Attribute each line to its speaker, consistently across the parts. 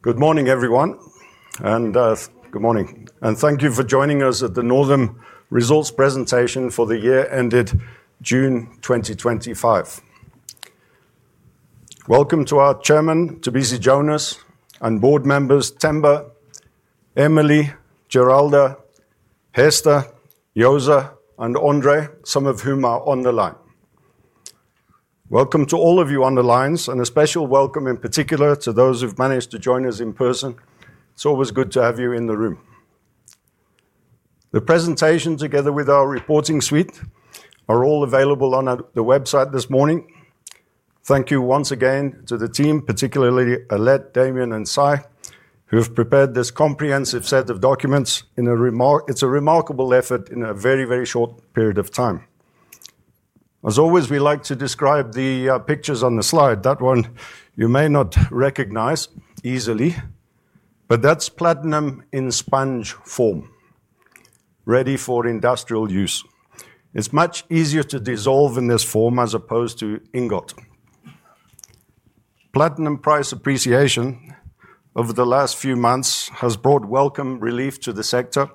Speaker 1: Good morning everyone and thank you for joining us at the Northam's Results Presentation for the year ended June 2025. Welcome to our Chairman Mcebisi Jonas, and board members Themba, Emily, Giralda, Hester, Joza, and Andre, some of whom are on the line. Welcome to all of you on the lines and a special welcome in particular to those who've managed to join us in person. It's always good to have you in the room. The presentation together with our reporting suite are all available on the website this morning. Thank you once again to the team, particularly Alette, Damian, and Sai, who have prepared this comprehensive set of documents. It's a remarkable effort in a very, very short period of time. As always, we like to describe the pictures on the slide. That one you may not recognize easily, but that's platinum in sponge form ready for industrial use. It's much easier to dissolve in this form as opposed to ingot platinum. Price appreciation over the last few months has brought welcome relief to the sector and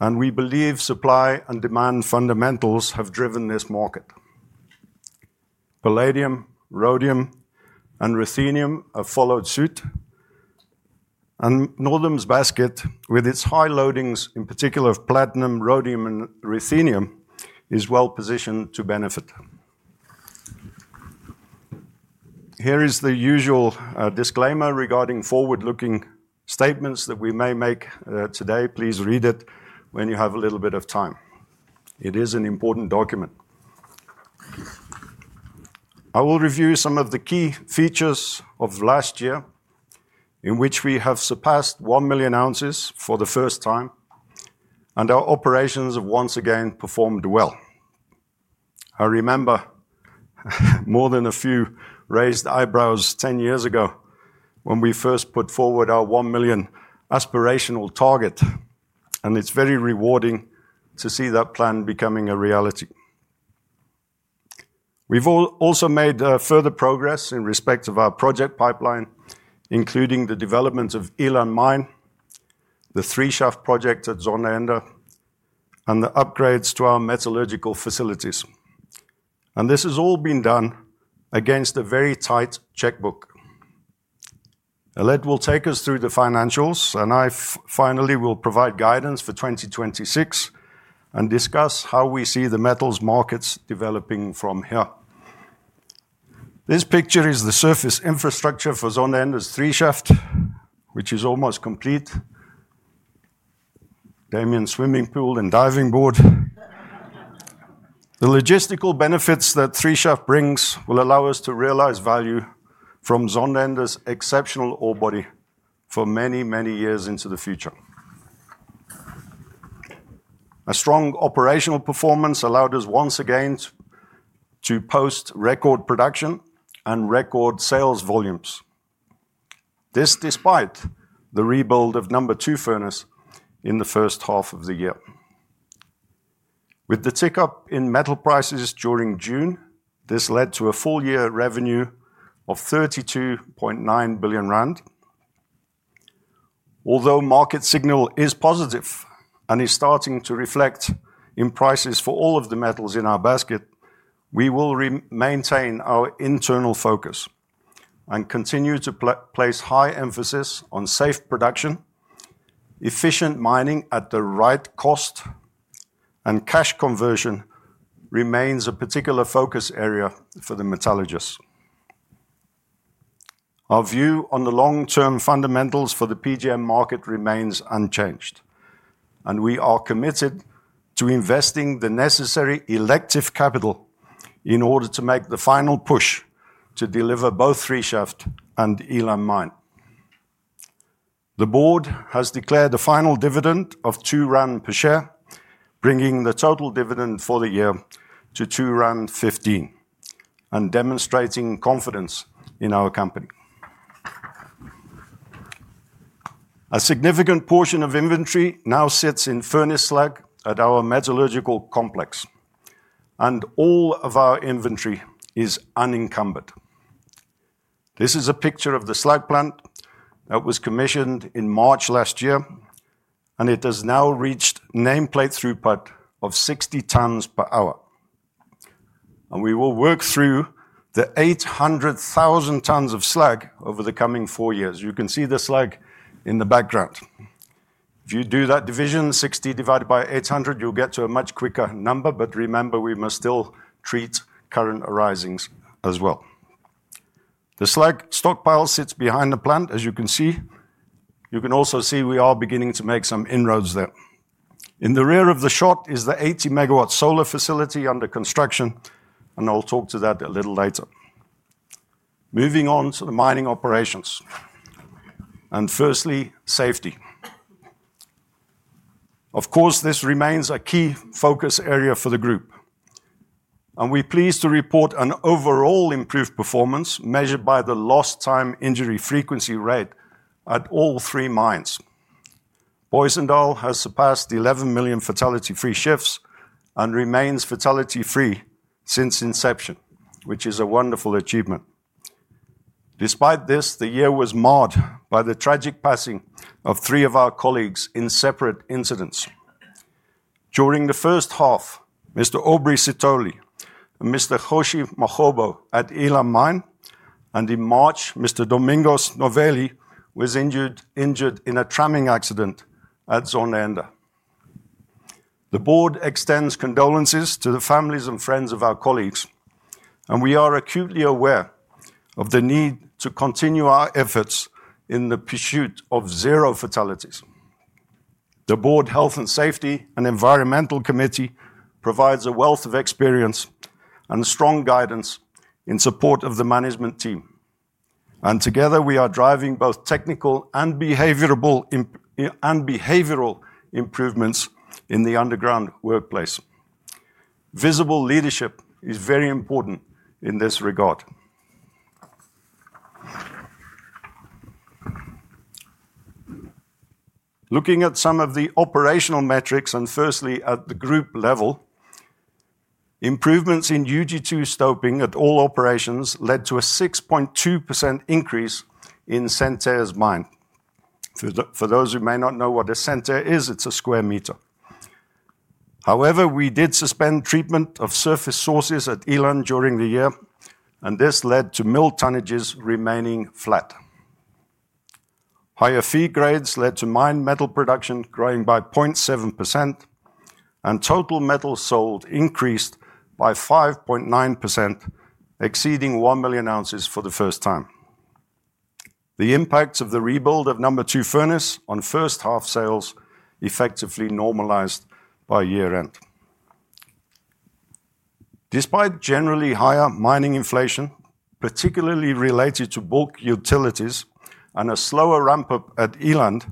Speaker 1: we believe supply and demand fundamentals have driven this market. Palladium, rhodium, and ruthenium have followed suit and Northam's basket, with its high loadings in particular of platinum, rhodium, and ruthenium, is well positioned to benefit. Here is the usual disclaimer regarding forward looking statements that we may make today. Please read it when you have a little bit of time. It is an important document. I will review some of the key features of last year in which we have surpassed 1 million ounces for the first time and our operations have once again performed well. I remember more than a few raised eyebrows 10 years ago when we first put forward our 1 million aspirational target. It's very rewarding to see that plan becoming a reality. We've also made further progress in respect of our project pipeline, including the development of Eland Mine, the 3 Shaft project at Zondereinde, and the upgrades to our metallurgical facilities. This has all been done against a very tight checkbook. Alette will take us through the financials and I finally will provide guidance for 2026 and discuss how we see the metals markets developing from here. This picture is the surface infrastructure for Zondereinde's 3 Shaft which is almost complete. Damian swimming pool and diving board the logistical benefits that 3 Shaft brings will allow us to realize value from Zondereinde's exceptional ore body for many, many years into the future. A strong operational performance allowed us once again to post record production and record sales volumes. This despite the rebuild of Number Two Furnace in the first half of the year. With the tick up in metal prices during June, this led to a full year revenue of 32.9 billion rand. Although market signal is positive and is starting to reflect in prices for all of the metals in our basket, we will maintain our internal focus and continue to place high emphasis on safe production. Efficient mining at the right cost and cash conversion remains a particular focus area for the metallurgists. Our view on the long term fundamentals for the PGM market remains unchanged and we are committed to investing the necessary elective capital in order to make the final push to deliver both 3 Shaft and Eland Mine. The board has declared a final dividend of 2 rand per share, bringing the total dividend for the year to 2.15 rand and demonstrating confidence in our company. A significant portion of inventory now sits in furnace slag at our metallurgical complex and all of our inventory is unencumbered. This is a picture of the slag plant that was commissioned in March last year and it has now reached nameplate throughput of 60 tons per hour. We will work through the 800,000 tons of slag over the coming four years. You can see the slag in the background. If you do that division, 60 divided by 800, you'll get to a much quicker number. Remember we must still treat current arisings as well. The slag stockpile sits behind the plant, as you can see. You can also see we are beginning to make some inroads there. In the rear of the shot is the 80 MW solar facility under construction. I'll talk to that a little later. Moving on to the mining operations and firstly safety. Of course this remains a key focus area for the group and we are pleased to report an overall improved performance measured by the lost time injury frequency rate at all three mines. Booysendal has surpassed 11 million fatality free shifts and remains fatality free since inception, which is a wonderful achievement. Despite this, the year was marred by the tragic passing of three of our colleagues in separate incidents during the first half. Mr. Aubrey Sitoli, Mr. Hoshe Mahobo at Eland Mine and in March Mr. Domingos Novelli was injured in a tramming accident at Zondereinde. The Board extends condolences to the families and friends of our colleagues and we are acutely aware of the need to continue our efforts in the pursuit of zero fatalities. The Board Health and Safety and Environmental Committee provides a wealth of experience and strong guidance in support of the management team. Together we are driving both technical and behavioral improvements in the underground workplace. Visible leadership is very important in this regard. Looking at some of the operational metrics and firstly at the group level, improvements in UG2 stoping at all operations led to a 6.2% increase in centares mined. For those who may not know what a centare is, it's a square meter. However, we did suspend treatment of surface sources at Eland during the year and this led to mill tonnages remaining flat. Higher feed grades led to mined metal production growing by 0.7% and total metals sold increased by 5.9%, exceeding 1 million oz for the first time. The impacts of the rebuild of Number two Furnace on first half sales effectively normalized by year end. Despite generally higher mining inflation, particularly related to bulk utilities and a slower ramp-up at Eland,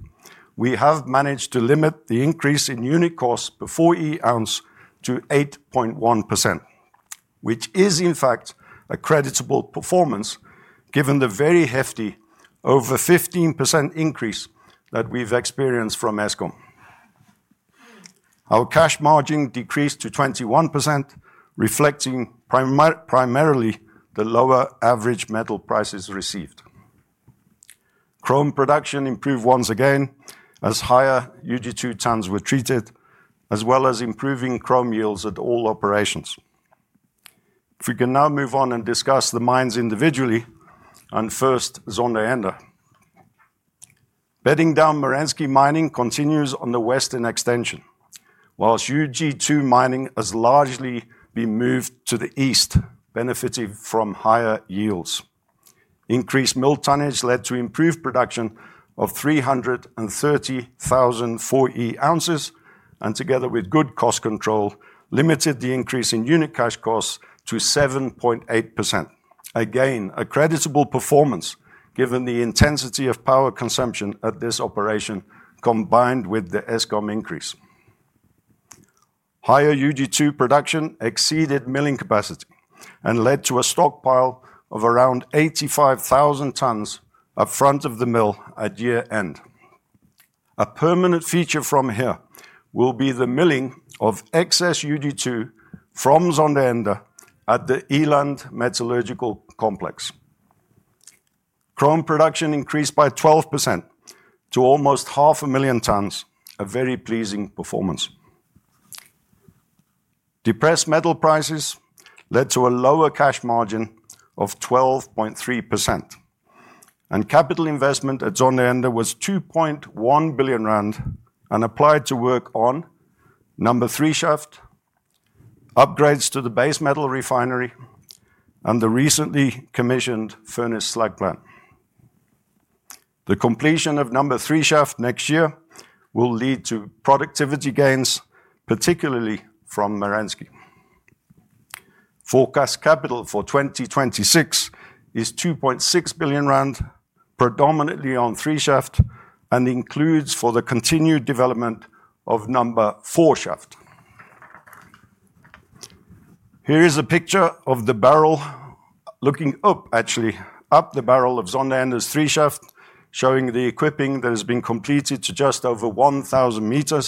Speaker 1: we have managed to limit the increase in unit costs per 4E oz to 8.1%, which is in fact a creditable performance given the very hefty over 15% increase that we've experienced from Eskom. Our cash margin decreased to 21%, reflecting primarily the lower average metal prices received. Chrome concentrate production improved once again as higher UG2 tonnes were treated as well as improving chrome yields at all operations. If we can now move on and discuss the mines individually. First, Zondereinde bedding down. Merensky mining continues on the western extension whilst UG2 mining has largely been moved to the east, benefiting from higher yields. Increased mill tonnage led to improved production of 330,000 4E oz and together with good cost control limited the increase in unit cash costs to 7.8%, again a creditable performance given the intensity of power consumption at this operation. Combined with the Eskom increase, higher UG2 production exceeded milling capacity and led to a stockpile of around 85,000 tonnes up front of the mill at year end. A permanent feature from here will be the milling of excess UG2 from Zondereinde. At the Eland metallurgical complex, chrome concentrate production increased by 12% to almost 500,000 tonnes, a very pleasing performance. Depressed metal prices led to a lower cash margin of 12.3% and capital investment at Zondereinde was 2.1 billion rand and applied to work on number 3 Shaft upgrades to the base metal refinery and the recently commissioned furnace slag plant. The completion of number 3 Shaft next year will lead to productivity gains, particularly from Merensky. Forecast capital for 2026 is 2.6 billion rand predominantly on 3 Shaft and includes for the continued development of number 4 Shaft. Here is a picture of the barrel looking up, actually up the barrel of Zondereinde's 3 Shaft showing the equipping that has been completed to just over 1,000 m.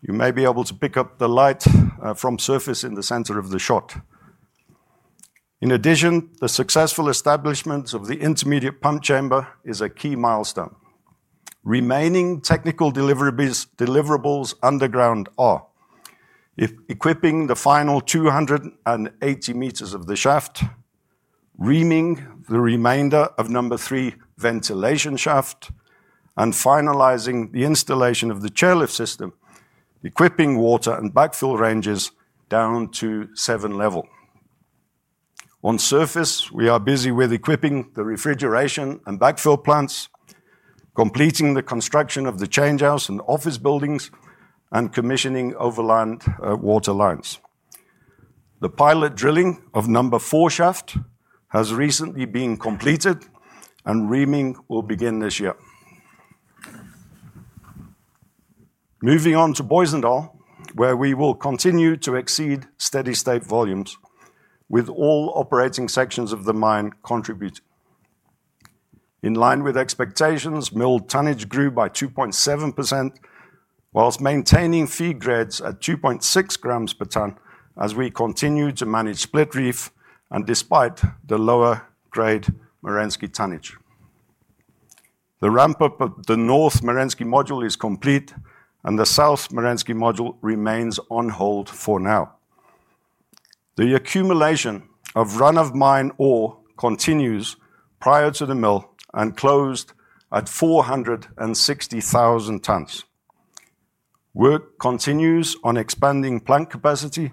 Speaker 1: You may be able to pick up the light from surface in the center of the shot. In addition, the successful establishment of the intermediate pump chamber is a key milestone. Remaining technical deliverables underground include equipping the final 280 m of the shaft, reaming the remainder of number 3 ventilation shaft, and finalizing the installation of the chairlift system. Equipping water and backfill ranges down to seven level. On surface we are busy with equipping the refrigeration and backfill plants, completing the construction of the change house and office buildings, and commissioning overland water lines. The pilot drilling of number 4 Shaft has recently been completed and reaming will begin this year. Moving on to Booysendal where we will continue to exceed steady state volumes, with all operating sections of the mine contributing in line with expectations. Milled tonnage grew by 2.7% whilst maintaining feed grades at 2.6 gm per tonne. As we continue to manage Split Reef and despite the lower grade Merensky tonnage, the ramp-up of the North Merensky module is complete and the South Merensky module remains on hold for now. The accumulation of run of mine ore continues prior to the mill and closed at 460,000 tonnes. Work continues on expanding plant capacity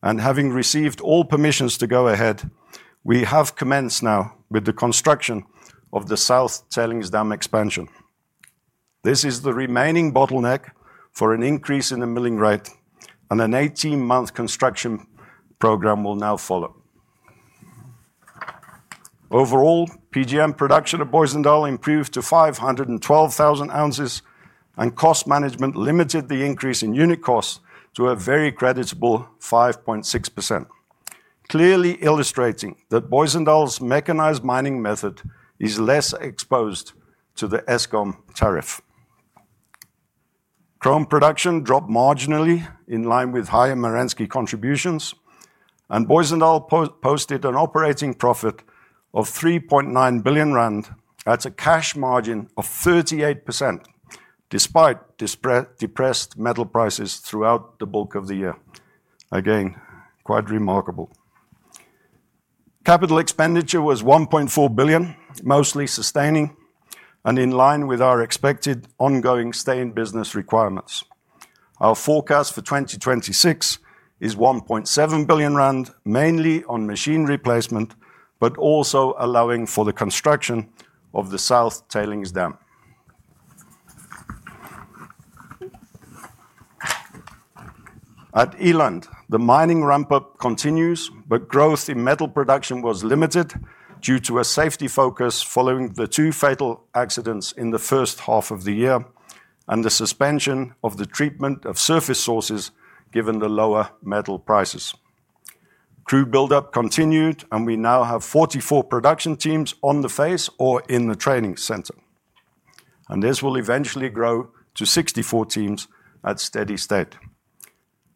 Speaker 1: and having received all permissions to go ahead, we have commenced now with the construction of the South Cellingsdam expansion. This is the remaining bottleneck for an increase in the milling rate and an 18 month construction program will now follow. Overall PGM production of Booysendal improved to 512,000 oz and cost management limited the increase in unit costs to a very creditable 5.6%, clearly illustrating that Booysendal's mechanized mining method is less exposed to the ESKOM tariff. Chrome production dropped marginally in line with higher Merensky contributions, and Booysendal posted an operating profit of 3.9 billion rand at a cash margin of 38% despite depressed metal prices throughout the bulk of the year. Again, quite remarkable. Capital expenditure was 1.4 billion, mostly sustaining and in line with our expected ongoing stay-in-business requirements. Our forecast for 2026 is 1.7 billion rand, mainly on machine replacement but also allowing for the construction of the South Tailings dam at Eland. The mining ramp-up continues, but growth in metal production was limited due to a safety focus following the two fatal accidents in the first half of the year and the suspension of the treatment of surface sources. Given the lower metal prices, crew buildup continued, and we now have 44 production teams on the face or in the training center, and this will eventually grow to 64 teams at steady state.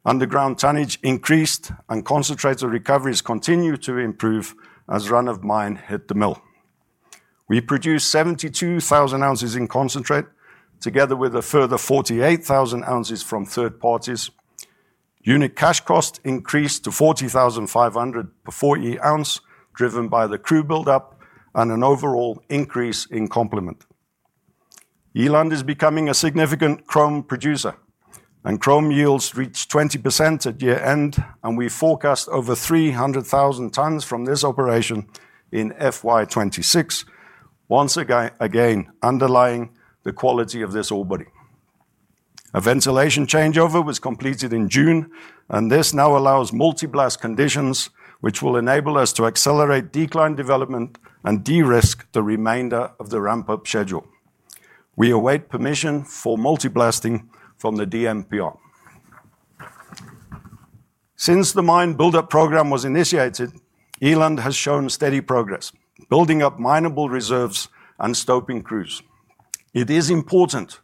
Speaker 1: Underground tonnage increased, and concentrate recoveries continued to improve as run-of-mine hit the mill. We produced 72,000 oz in concentrate together with a further 48,000 oz from third parties. Unit cash cost increased to 40,500 per 4E oz, driven by the crew buildup and an overall increase in complement. Eland is becoming a significant chrome producer, and chrome yields reached 20% at year end, and we forecast over 300,000 tonnes from this operation in FY 2026. Once again underlying the quality of this ore body, a ventilation changeover was completed in June, and this now allows multi-blast conditions, which will enable us to accelerate decline development and de-risk the remainder of the ramp-up schedule. We await permission for multi-blasting from the DMPR. Since the mine buildup program was initiated, Eland has shown steady progress building up mineable reserves and stoping crews. It is important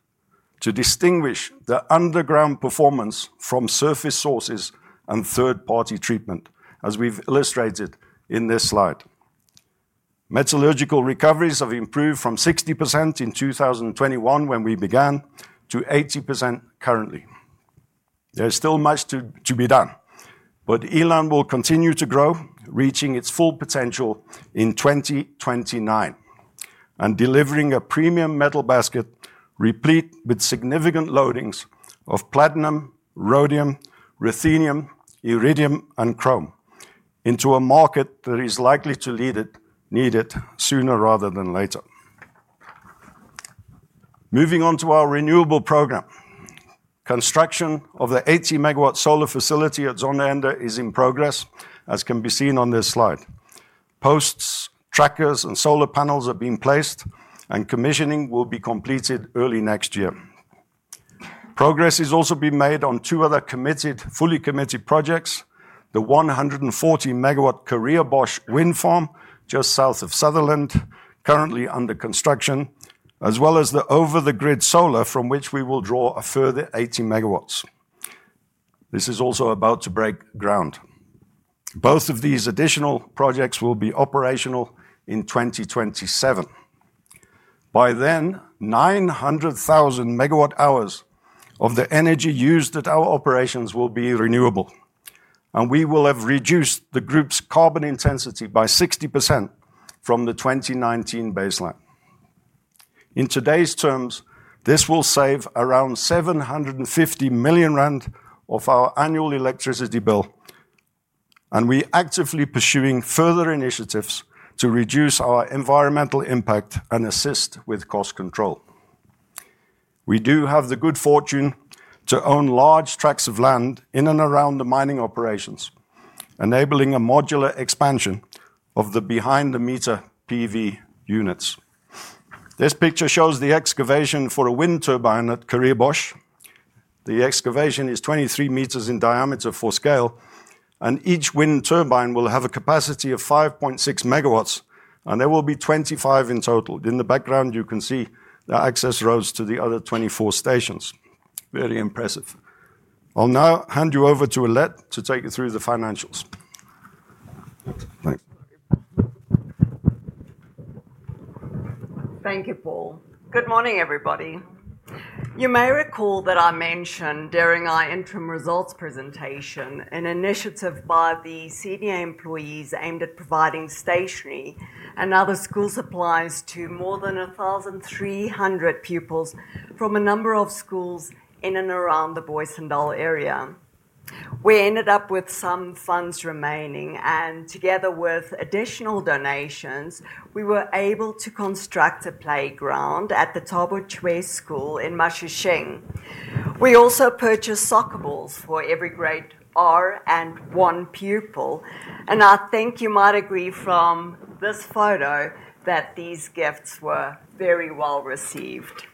Speaker 1: to distinguish the underground performance from surface sources and third-party treatment. As we've illustrated in this slide, metallurgical recoveries have improved from 60% in 2021 when we began to 80% currently. There's still much to be done, but Eland will continue to grow, reaching its full potential in 2029 and delivering a premium metal basket replete with significant loadings of platinum, rhodium, ruthenium, iridium, and chrome into a market that is likely to need it sooner rather than later. Moving on to our renewable program, construction of the 80 MW solar facility at Zondereinde is in progress. As can be seen on this slide, posts, trackers, and solar panels are being placed and commissioning will be completed early next year. Progress is also being made on two other fully committed projects. The 140 MW Karreebosch wind farm just south of Sutherland is currently under construction, as well as the over-the-grid solar from which we will draw a further 80 MW. This is also about to break ground. Both of these additional projects will be operational in 2027. By then, 900,000 MW hours of the energy used at our operations will be renewable and we will have reduced the group's carbon intensity by 60% from the 2019 baseline. In today's terms, this will save around 750 million rand off our annual electricity bill and we are actively pursuing further initiatives to reduce our environmental impact and assist with cost control. We do have the good fortune to own large tracts of land in and around the mining operations, enabling a modular expansion of the behind-the-meter PV units. This picture shows the excavation for a wind turbine at Karreebosch. The excavation is 23 m in diameter for scale and each wind turbine will have a capacity of 5.6 MW and there will be 25 in total. In the background, you can see the access roads to the other 24 stations. Very impressive. I'll now hand you over to Alette to take you through the financials. Thanks.
Speaker 2: Thank you, Paul. Good morning, everybody. You may recall that I mentioned during our interim results presentation an initiative by the CDA employees aimed at providing stationery and other school supplies to more than 1,300 pupils from a number of schools in and around the Booysendal area. We ended up with some funds remaining, and together with additional donations, we were able to construct a playground at the Thaba Chweu School in Mashishing. We also purchased soccer balls for every Grade R and one pupil, and I think you might agree from this photo that these gifts were very well received.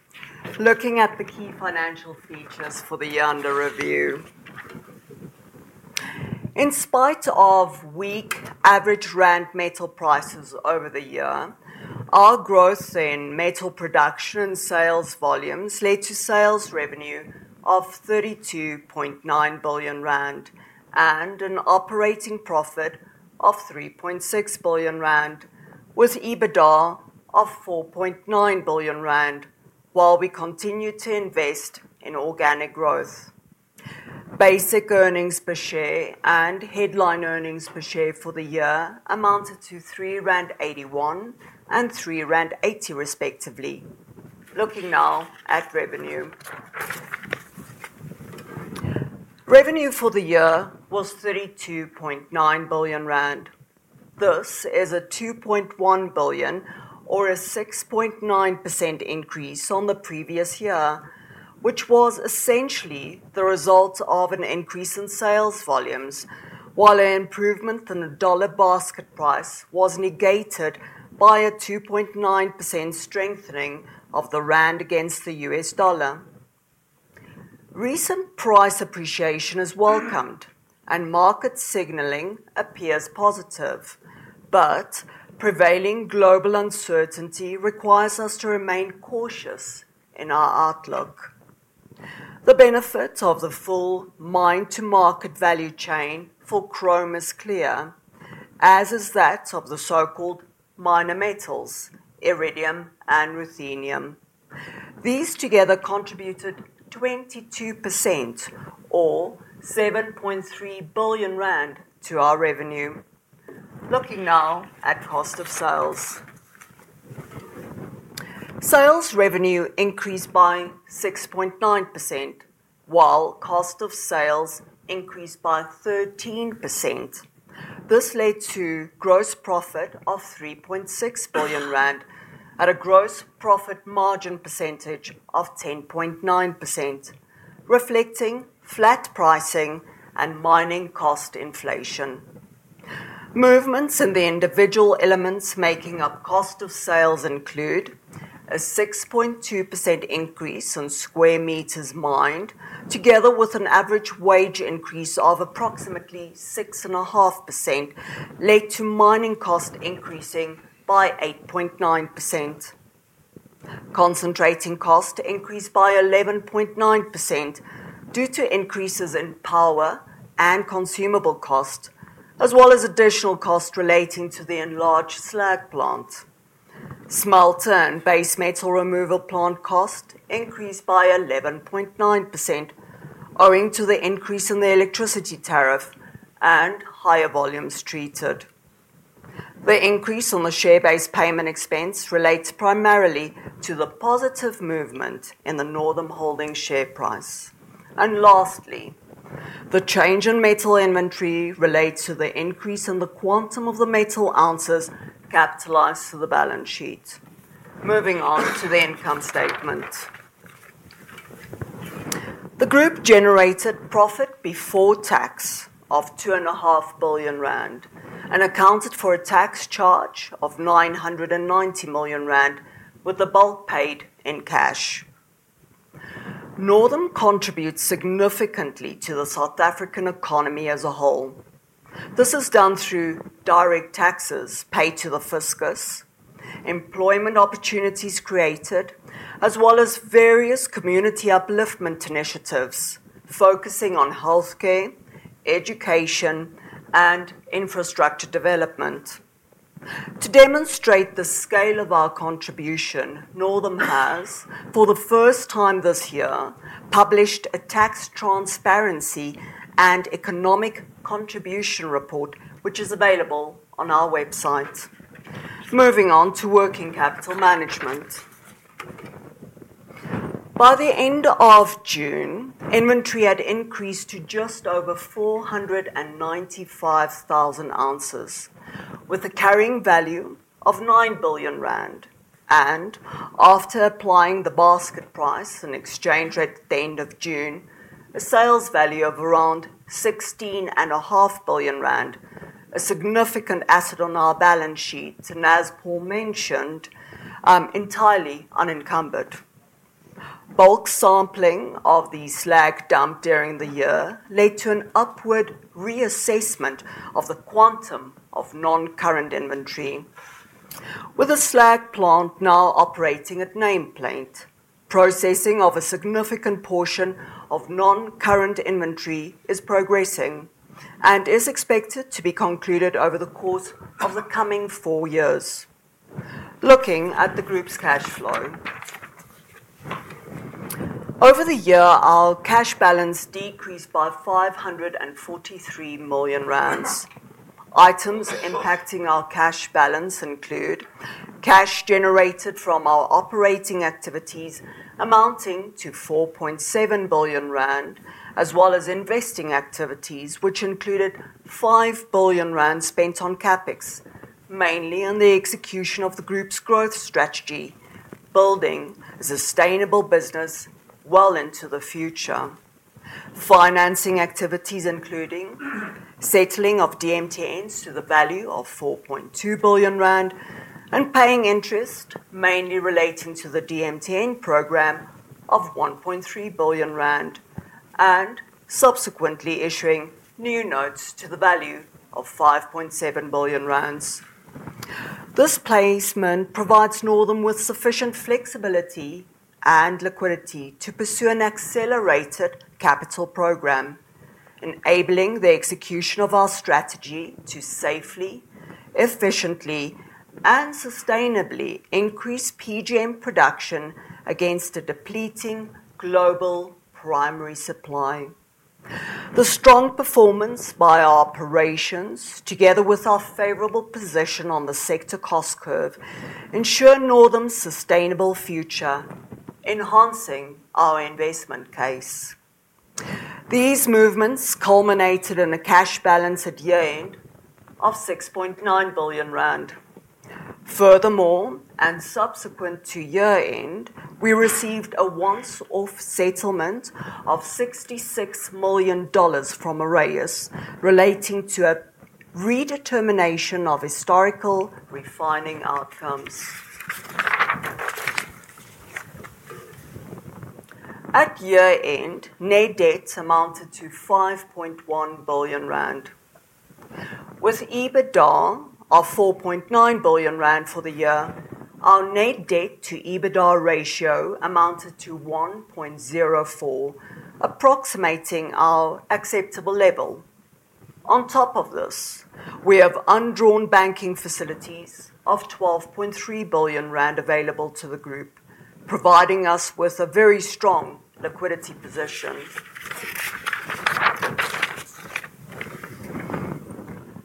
Speaker 2: Looking at the key financial features for the year under review, in spite of weak average rand metal prices over the year, our growth in metal production sales volumes led to sales revenue of 32.9 billion rand and an operating profit of 3.6 billion rand, with EBITDA of 4.9 billion rand. While we continue to invest in organic growth, basic earnings per share and headline earnings per share for the year amounted to 3.81 rand and 3.80 rand, respectively. Looking now at revenue, revenue for the year was 32.9 billion rand. This is a 2.1 billion or a 6.9% increase on the previous year, which was essentially the result of an increase in sales volumes, while an improvement in the dollar basket price was negated by a 2.9% strengthening of the rand against the US dollar. Recent price appreciation is welcomed, and market signaling appears positive, but prevailing global uncertainty requires us to remain cautious in our outlook. The benefits of the full mine-to-market value chain for chrome concentrate is clear, as is that of the so-called minor metals iridium and ruthenium. These together contributed to 22% or 7.3 billion rand to our revenue. Looking now at cost of sales, sales revenue increased by 6.9% while cost of sales increased by 13%. This led to gross profit of 3.6 billion rand at a gross profit margin percentage of 10.9%, reflecting flat pricing and mining cost inflation. Movements in the individual elements making up cost of sales include a 6.2% increase on square meters mined, together with an average wage increase of approximately 6.5%, led to mining costs increasing by 8.9%. Concentrating cost increased by 11.9% due to increases in power and consumable cost as well as additional costs relating to the enlarged slag plant. Smelter and base metal removal plant cost increased by 11.9% owing to the increase in the electricity tariff and higher volumes treated. The increase on the share-based payment expense relates primarily to the positive movement in the Northam Holdings share price, and lastly, the change in metal inventory relates to the increase in the quantum of the metal ounces capitalized to the balance sheet. Moving on to the income statement. The. Group generated profit before tax of 2.5 billion rand and accounted for a tax charge of 990 million rand with the bulk paid in cash. Northam contributes significantly to the South African economy as a whole. This is done through direct taxes paid to the fiscus, employment opportunities created, as well as various community upliftment initiatives focusing on health care, education, and infrastructure development. To demonstrate the scale of our contribution, Northam has for the first time this year published a tax transparency and economic contribution report, which is available on our website. Moving on to working capital management, by the end of June inventory had increased to just over 495,000 oz with a carrying value of 9 billion rand, and after applying the basket price and exchange rate at the end of June, a sales value of around 16.5 billion rand, a significant asset on our balance sheet and, as Paul mentioned, entirely unencumbered. Bulk sampling of the slag dump during the year led to an upward reassessment of the quantum of non-current inventory, with the slag plant now operating at nameplate. Processing of a significant portion of non-current inventory is progressing and is expected to be concluded over the course of the coming four years. Looking at the group's cash flow over the year, our cash balance decreased by 543 million rand. Items impacting our cash balance include cash generated from our operating activities amounting to 4.7 billion rand, as well as investing activities which included 5 billion rand spent on CapEx, mainly on the execution of the group's growth strategy, building a sustainable business well into the future, financing activities including settling of DMTNs to the value of 4.2 billion rand, and paying interest mainly relating to the DMTN program of 1.3 billion rand, and subsequently issuing new notes to the value of 5.7 billion rand. This placement provides Northam with sufficient flexibility and liquidity to pursue an accelerated capital program, enabling the execution of our strategy to safely, efficiently, and sustainably increase PGM production against a depleting global primary supply. The strong performance by our operations together with our favorable position on the sector cost curve ensure Northam's sustainable future. Enhancing our investment case, these movements culminated in a cash balance at year end of 6.9 billion rand. Furthermore, and subsequent to year end we received a once off settlement of $66 million from Arus relating to a redetermination of historical refining outcomes. At year end, net debt amounted to 5.1 billion rand with EBITDA of 4.9 billion rand. For the year, our net debt to EBITDA ratio amounted to 1.04, approximating our acceptable level. On top of this, we have undrawn banking facilities of 12.3 billion rand available to the group, providing us with a very strong liquidity position.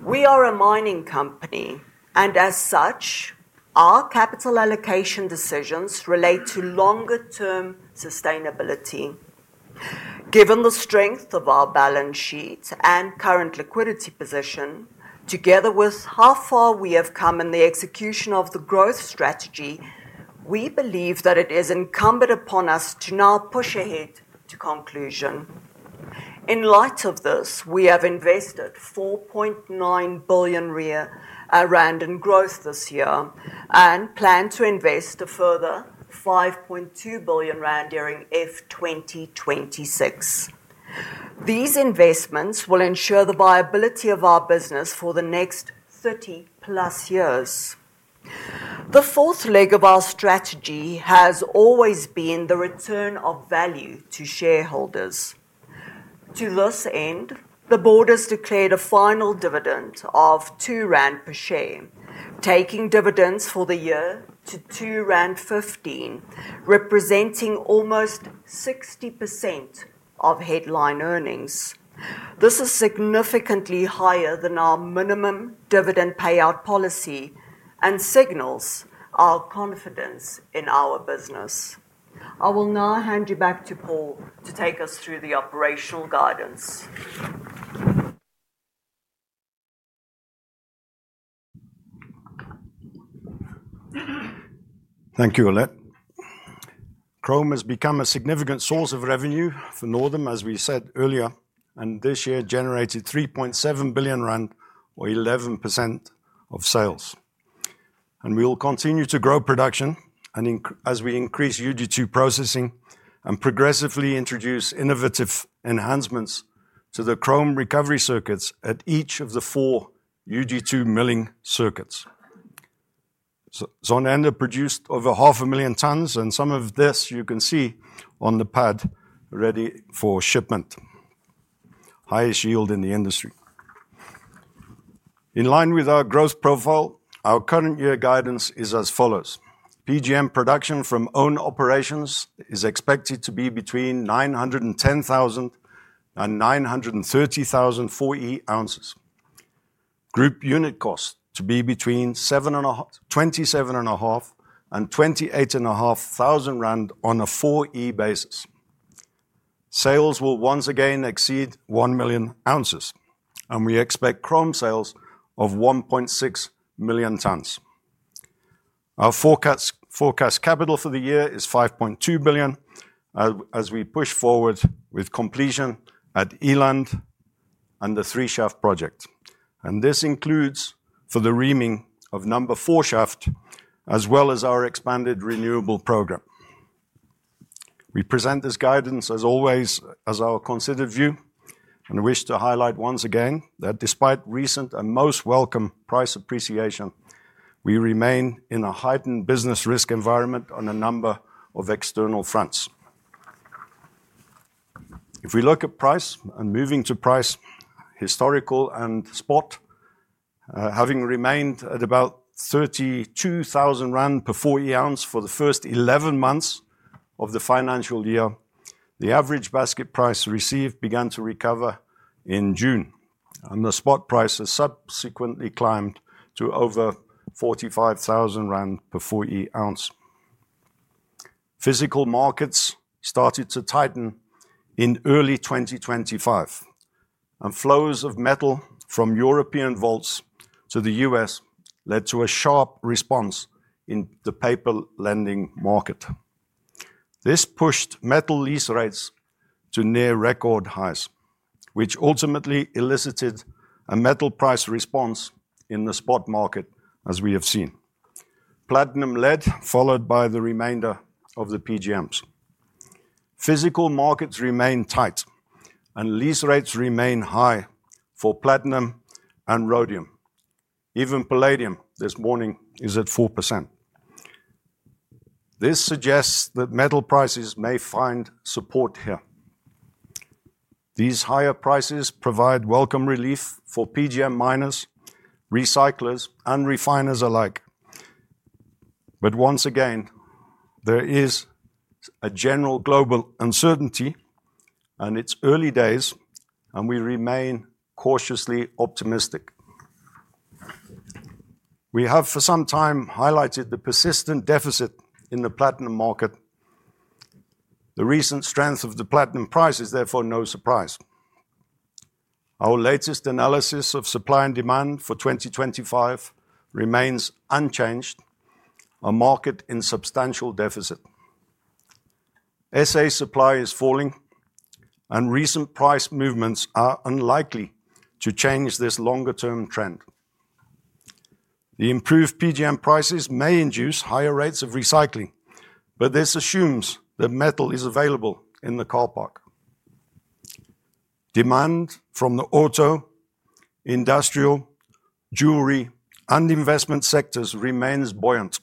Speaker 2: We are a mining company and as such our capital allocation decisions relate to longer term sustainability. Given the strength of our balance sheet and current liquidity position, together with how far we have come in the execution of the growth strategy, we believe that it is incumbent upon us to now push ahead to conclusion. In light of this, we have invested 4.9 billion rand in growth this year and plan to invest a further 5.2 billion rand during F 2026. These investments will ensure the viability of our business for the next 30+ years. The fourth leg of our strategy has always been the return of value to shareholders. To this end, the board has declared a final dividend of 2 rand per share, taking dividends for the year to 2.15 rand, representing almost 60% of headline earnings. This is significantly higher than our minimum dividend payout policy and signals our confidence in our business. I will now hand you back to Paul to take us through the operational guidance.
Speaker 1: Thank you Alet. Chrome concentrate has become a significant source of revenue for Northam as we said earlier, this year generated 3.7 billion rand or 11% of sales. We will continue to grow production as we increase UG2 processing and progressively introduce innovative enhancements to the chrome recovery circuits at each of the four UG2 milling circuits. Zondereinde produced over 500,000 tons, and some of this you can see on the pad ready for shipment. Highest yield in the industry. In line with our growth profile, our current year guidance is as follows: PGM production from own operations is expected to be between 910,000 and 930,000 4E oz, group unit cost to be between 27,500 and 28,500 rand on a 4E basis. Sales will once again exceed 1 million oz, and we expect chrome sales of 1.6 million tonnes. Our forecast capital expenditure for the year is 5.2 billion as we push forward with completion at Eland and the 3 Shaft project, and this includes for the reaming of Number 4 Shaft as well as our expanded renewable program. We present this guidance as always as our considered view and wish to highlight once again that despite recent and most welcome price appreciation, we remain in a heightened business risk environment on a number of external fronts. If we look at price and moving to price historical and spot, having remained at about 32,000 rand per 4E oz for the first 11 months of the financial year, the average basket price received began to recover in June and the spot prices subsequently climbed to over 45,000 rand per 4E ounce. Physical markets started to tighten in early 2025, and flows of metal from European vaults to the U.S. led to a sharp response in the paper lending market. This pushed metal lease rates to near record highs, which ultimately elicited a metal price response in the spot market. As we have seen, platinum led, followed by the remainder of the PGMs. Physical markets remained tight and lease rates remain high for platinum and rhodium. Even palladium this morning is at 4%. This suggests that metal prices may find support here. These higher prices provide welcome relief for PGM miners, recyclers, and refiners alike. There is a general global uncertainty and it's early days and we remain cautiously optimistic. We have for some time highlighted the persistent deficit in the platinum market. The recent strength of the platinum price is therefore no surprise. Our latest analysis of supply and demand for 2025 remains unchanged. A market in substantial deficit. SA supply is falling, and recent price movements are unlikely to change this longer term trend. The improved PGM prices may induce higher rates of recycling, but this assumes that metal is available in the car park. Demand from the auto, industrial, jewelry, and investment sectors remains buoyant,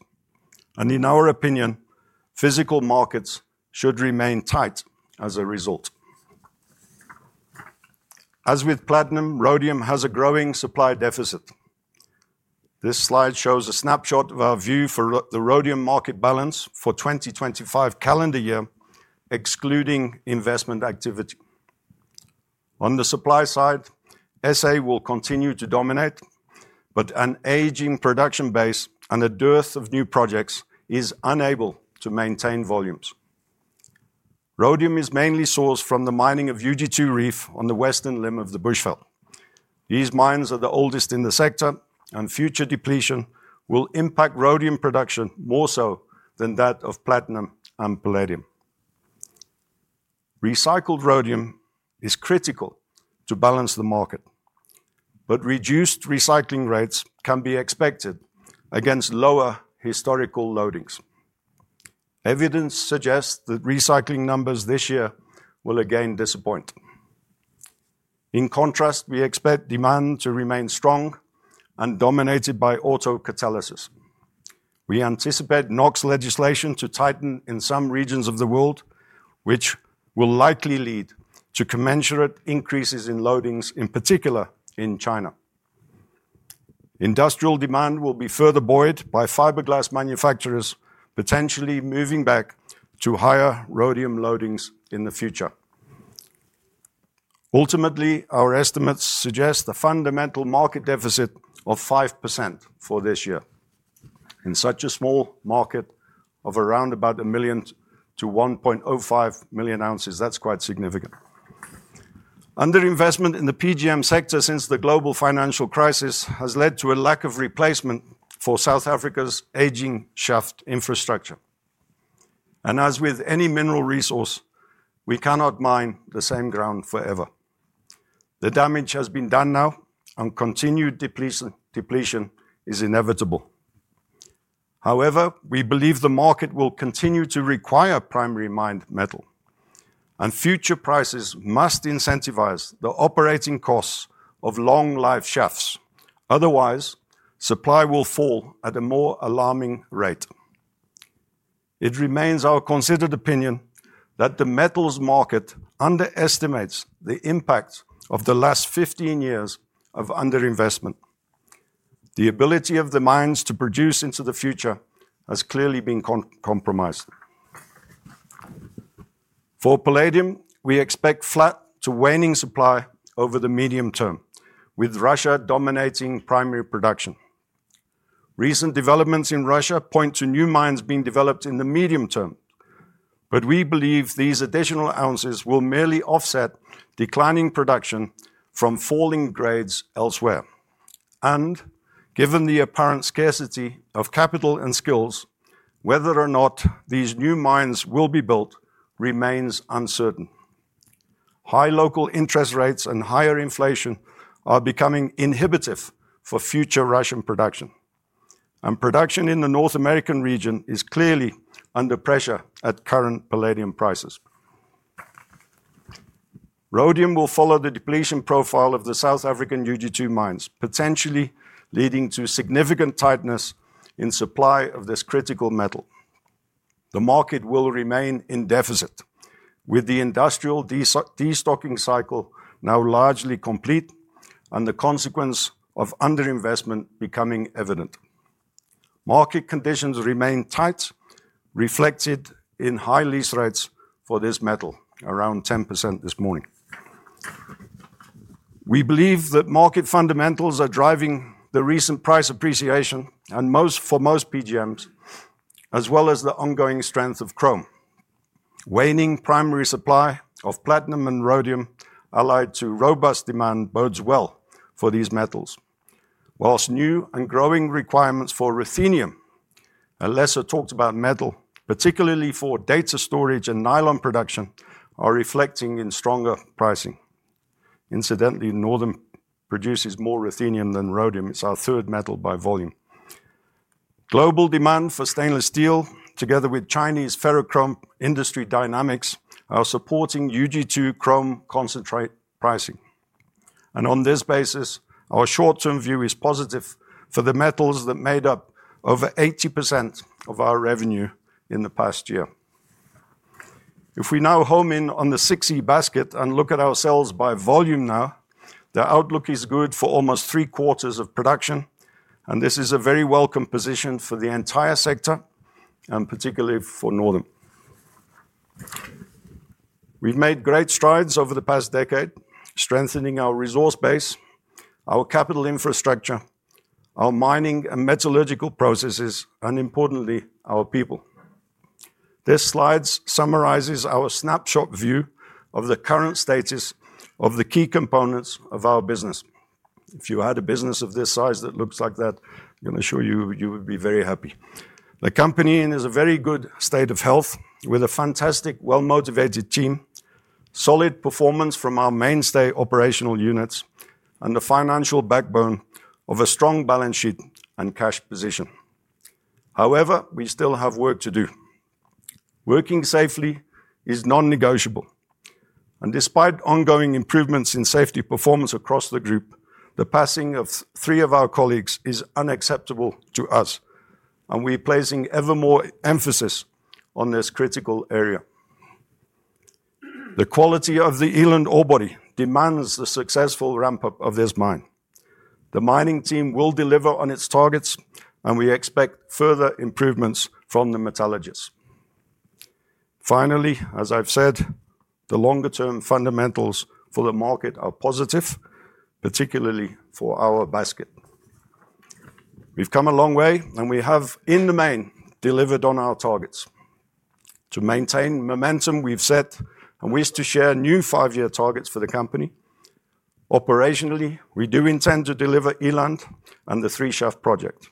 Speaker 1: and in our opinion, physical markets should remain tight. As a result, as with platinum, rhodium has a growing supply deficit. This slide shows a snapshot of our view for the rhodium market balance for the 2025 calendar year. Excluding investment activity on the supply side, SA will continue to dominate, but an aging production base and a dearth of new projects is unable to maintain volumes. Rhodium is mainly sourced from the mining of UG2 reef on the western limb of the Bushveld. These mines are the oldest in the sector, and future depletion will impact rhodium production more so than that of platinum and palladium. Recycled rhodium is critical to balance the market, but reduced recycling rates can be expected against lower historical loadings. Evidence suggests that recycling numbers this year will again disappoint. In contrast, we expect demand to remain strong and dominated by autocatalysis. We anticipate NOX legislation to tighten in some regions of the world, which will likely lead to commensurate increases in loadings. In particular, in China, industrial demand will be further buoyed by fiberglass manufacturers, potentially moving back to higher rhodium loadings in the future. Ultimately, our estimates suggest the fundamental market deficit of 5% for this year. In such a small market of around about a 1 million oz-1.05 million oz, that's quite significant. Underinvestment in the PGM sector since the global financial crisis has led to a lack of replacement for South Africa's aging shaft infrastructure. As with any mineral resource, we cannot mine the same ground forever. The damage has been done now, and continued depletion is inevitable. However, we believe the market will continue to require primary mined metal, and future prices must incentivize the operating costs of long life shafts. Otherwise, supply will fall at a more alarming rate. It remains our considered opinion that the metals market underestimates the impact of the last 15 years of underinvestment. The ability of the mines to produce into the future has clearly been compromised. For palladium, we expect flat to waning supply over the medium term, with Russia dominating primary production. Recent developments in Russia point to new mines being developed in the medium term. We believe these additional ounces will merely offset declining production from falling grades elsewhere. Given the apparent scarcity of capital and skills, whether or not these new mines will be built remains uncertain. High local interest rates and higher inflation are becoming inhibitive for future Russian production, and production in the North American region is clearly under pressure. At current palladium prices, rhodium will follow the depletion profile of the South African UG2 mines, potentially leading to significant tightness in supply of this critical metal. The market will remain in deficit, with the industrial destocking cycle now largely complete and the consequence of underinvestment becoming evident. Market conditions remain tight, reflected in high lease rates for this metal around 10% this morning. We believe that market fundamentals are driving the recent price appreciation for most PGMs as well as the ongoing strength of chrome. Waning primary supply of platinum and rhodium allied to robust demand bodes well for these metals. Whilst new and growing requirements for ruthenium, a lesser talked about metal, particularly for data storage and nylon production, are reflecting in stronger pricing. Incidentally, Northam produces more ruthenium than rhodium. It's our third metal by volume. Global demand for stainless steel together with Chinese ferrochrome industry dynamics are supporting UG2 chrome concentrate pricing and on this basis our short term view is positive for the metals that made up over 80% of our revenue in the past year. If we now home in on the 6E basket and look at our sales by volume now, the outlook is good for almost three quarters of production. This is a very welcome position for the entire sector and particularly for Northam. We've made great strides over the past decade strengthening our resource base, our capital infrastructure, our mining and metallurgical processes and importantly our people. This slide summarizes our snapshot view of the current status of the key components of our business. If you had a business of this size that looks like that, I assure you you would be very happy. The company is in a very good state of health with a fantastic, well-motivated team, solid performance from our mainstay operational units, and the financial backbone of a strong balance sheet and cash position. However, we still have work to do. Working safely is non-negotiable, and despite ongoing improvements in safety performance across the group, the passing of three of our colleagues is unacceptable to us, and we are placing ever more emphasis on this critical area. The quality of the Eland ore body demands the successful ramp-up of this mine. The mining team will deliver on its targets, and we expect further improvements from the metallurgists. Finally, as I've said, the longer-term fundamentals for the market are positive, particularly for our basket. We've come a long way, and we have in the main delivered on our targets. To maintain momentum, we've set and wish to share new five-year targets for the company. Operationally, we do intend to deliver Eland and the 3 Shaft project,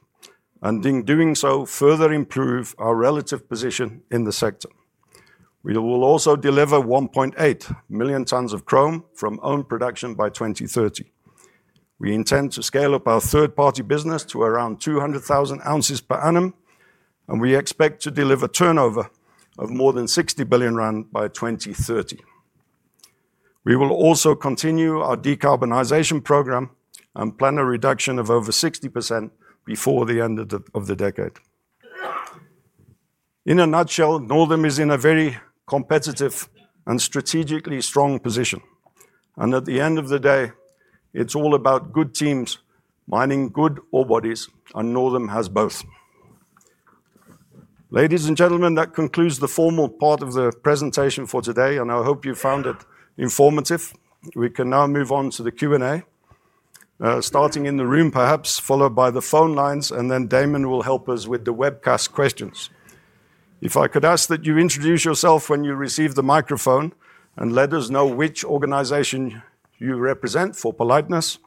Speaker 1: and in doing so, further improve our relative position in the sector. We will also deliver 1.8 million tonnes of chrome from own production by 2030. We intend to scale up our third-party business to around 200,000 oz per annum, and we expect to deliver turnover of more than 60 billion rand by 2030. We will also continue our decarbonization program and plan a reduction of over 60% before the end of the decade. In a nutshell, Northam is in a very competitive and strategically strong position. At the end of the day, it's all about good teams mining good ore bodies, and Northam has both. Ladies and gentlemen, that concludes the formal part of the presentation for today, and I hope you found it informative. We can now move on to the Q&A, starting in the room, perhaps followed by the phone lines, and then Damian will help us with the webcast questions. If I could ask that you introduce yourself when you receive the microphone and let us know which organization you represent for politeness.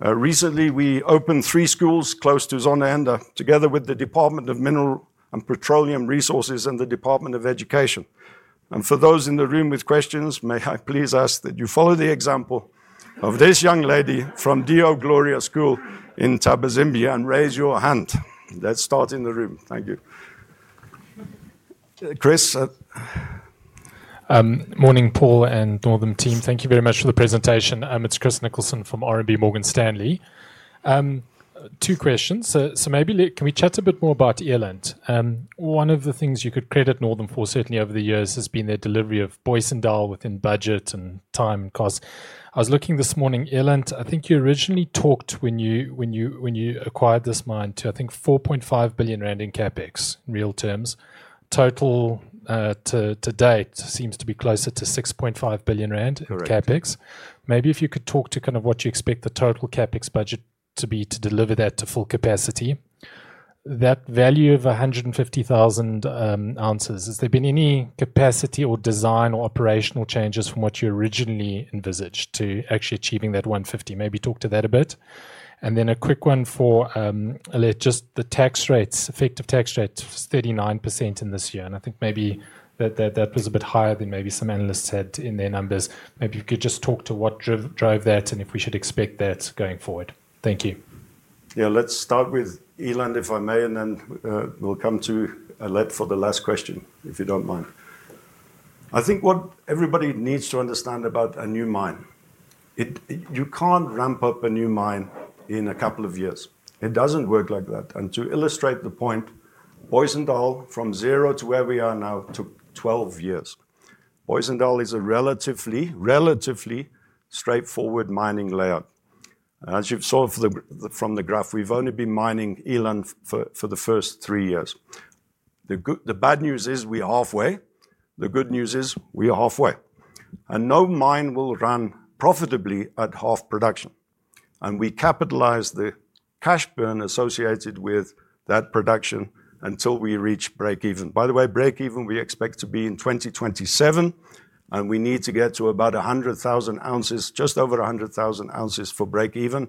Speaker 1: Recently, we opened three schools close to Zondereinde together with the Department of Mineral and Petroleum Resources and the Department of Education. For those in the room with questions, may I please ask that you follow the example of this young lady from Deo Gloria School in Thabazimbi and raise your hand. Let's start in the room. Thank you, Chris.
Speaker 3: Morning, Paul. Northam team, thank you very much for the presentation. It's Chris Nicholson from RB Morgan Stanley. Two questions. Can we chat a bit more about Eland? One of the things you could credit Northam for, certainly over the years, has been their delivery of Booysendal within budget and time. I was looking this morning, Eland, I think you originally talked when you acquired this mine to, I think, 4.5 billion rand in CapEx in real terms. Total to date seems to be closer to 6.5 billion rand CapEx. Maybe if you could talk to what you expect the total CapEx budget to be to deliver that to full capacity, that value of 150,000 oz. Has there been any capacity or design or operational changes from what you originally envisaged to actually achieving that 150,000 oz? Maybe talk to that a bit and then a quick one for just the tax rates. Effective tax rate was 39% in this year. I think maybe that was a bit higher than maybe some analysts had in their numbers. Maybe you could just talk to what drove that and if we should expect that going forward. Thank you.
Speaker 1: Yeah. Let's start with Eland, if I may. Then we'll come to Alet for the last question, if you don't mind. I think what everybody needs to understand about a new mine, you can't ramp up a new mine in a couple of years. It doesn't work like that. To illustrate the point, Booysendal from zero to where we are now took 12 years. Booysendal is a relatively, relatively straightforward mining layout, as you've solved from the graph. We've only been mining Eland for the first three years. The bad news is we are halfway. The good news is we are halfway. No mine will run profitably at half production. We capitalize the cash burn associated with that production until we reach break even. By the way, breakeven we expect to be in 2027 and we need to get to about 100,000 oz. Just over 100,000 oz for break even.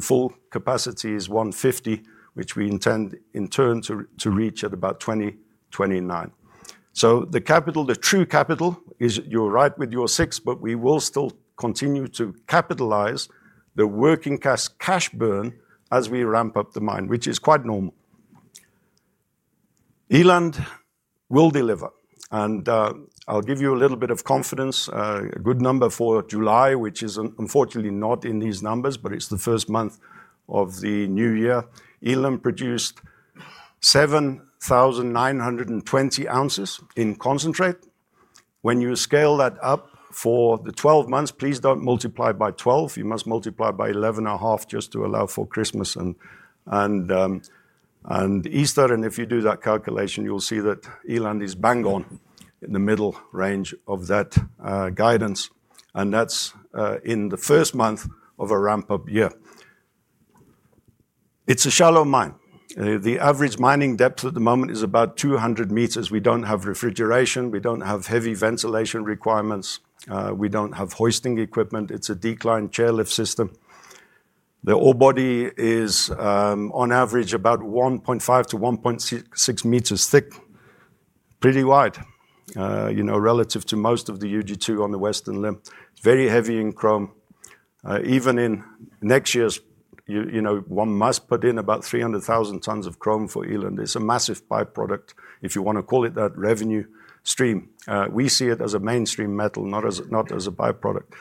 Speaker 1: Full capacity is 150,000 oz which we intend in turn to reach at about 2029. The capital, the true capital is, you're right with your six. We will still continue to capitalize the working cash burn as we ramp up the mine, which is quite normal. Eland will deliver. I'll give you a little bit of confidence, a good number for July, which is unfortunately not in these numbers, but it's the first month of the new year. Eland produced 7,920 oz in concentrate. When you scale that up for the 12 months, please don't multiply by 12. You must multiply by 11.5 just to allow for Christmas and Easter. If you do that calculation, you'll see that Eland is bang on in the middle range of that guidance. That's in the first month of a ramp-up year. It's a shallow mine. The average mining depth at the moment is about 200 m. We don't have refrigeration, we don't have heavy ventilation requirements. We don't have hoisting equipment. It's a declined chairlift system. The ore body is on average about 1.5 m-1.6 m thick. Pretty wide relative to most of the UG2 on the Western Limb. Very heavy in chrome. Even in next year's one must put in about 300,000 tons of chrome for Eland. It's a massive byproduct, if you want to call it that, revenue stream. We see it as a mainstream metal, not as a byproduct.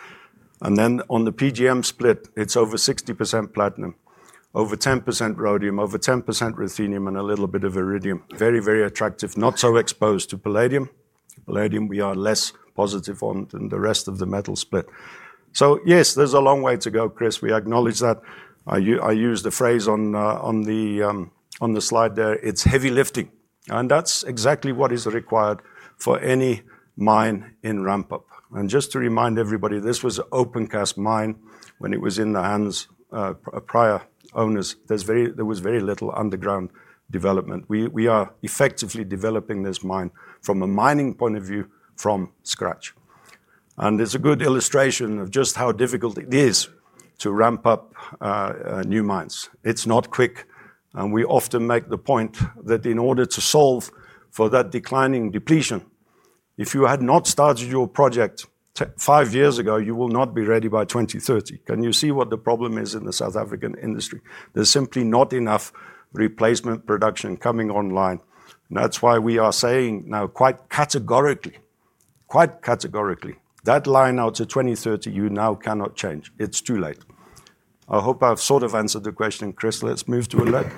Speaker 1: On the PGM split it's over 60% platinum, over 10% rhodium, over 10% ruthenium and a little bit of iridium. Very, very attractive. Not so exposed to palladium. Palladium we are less positive on than the rest of the metal split. Yes, there's a long way to go. Chris, we acknowledge that. I use the phrase on the slide there. It's heavy lifting and that's exactly what is required for any mine in ramp-up. Just to remind everybody, this was an opencast mine when it was in the hands of prior owners; there was very little underground development. We are effectively developing this mine from a mining point of view, from scratch. It's a good illustration of just how difficult it is to ramp up new mines. It's not quick and we often make the point that in order to solve for that declining depletion, if you had not started your project five years ago, you will not be ready by 2030. Can you see what the problem is in the South African industry? There's simply not enough replacement production coming online. That's why we are saying now, quite categorically, that line out to 2030 you now cannot change. It's too late. I hope I've sort of answered the question. Chris, let's move to Alet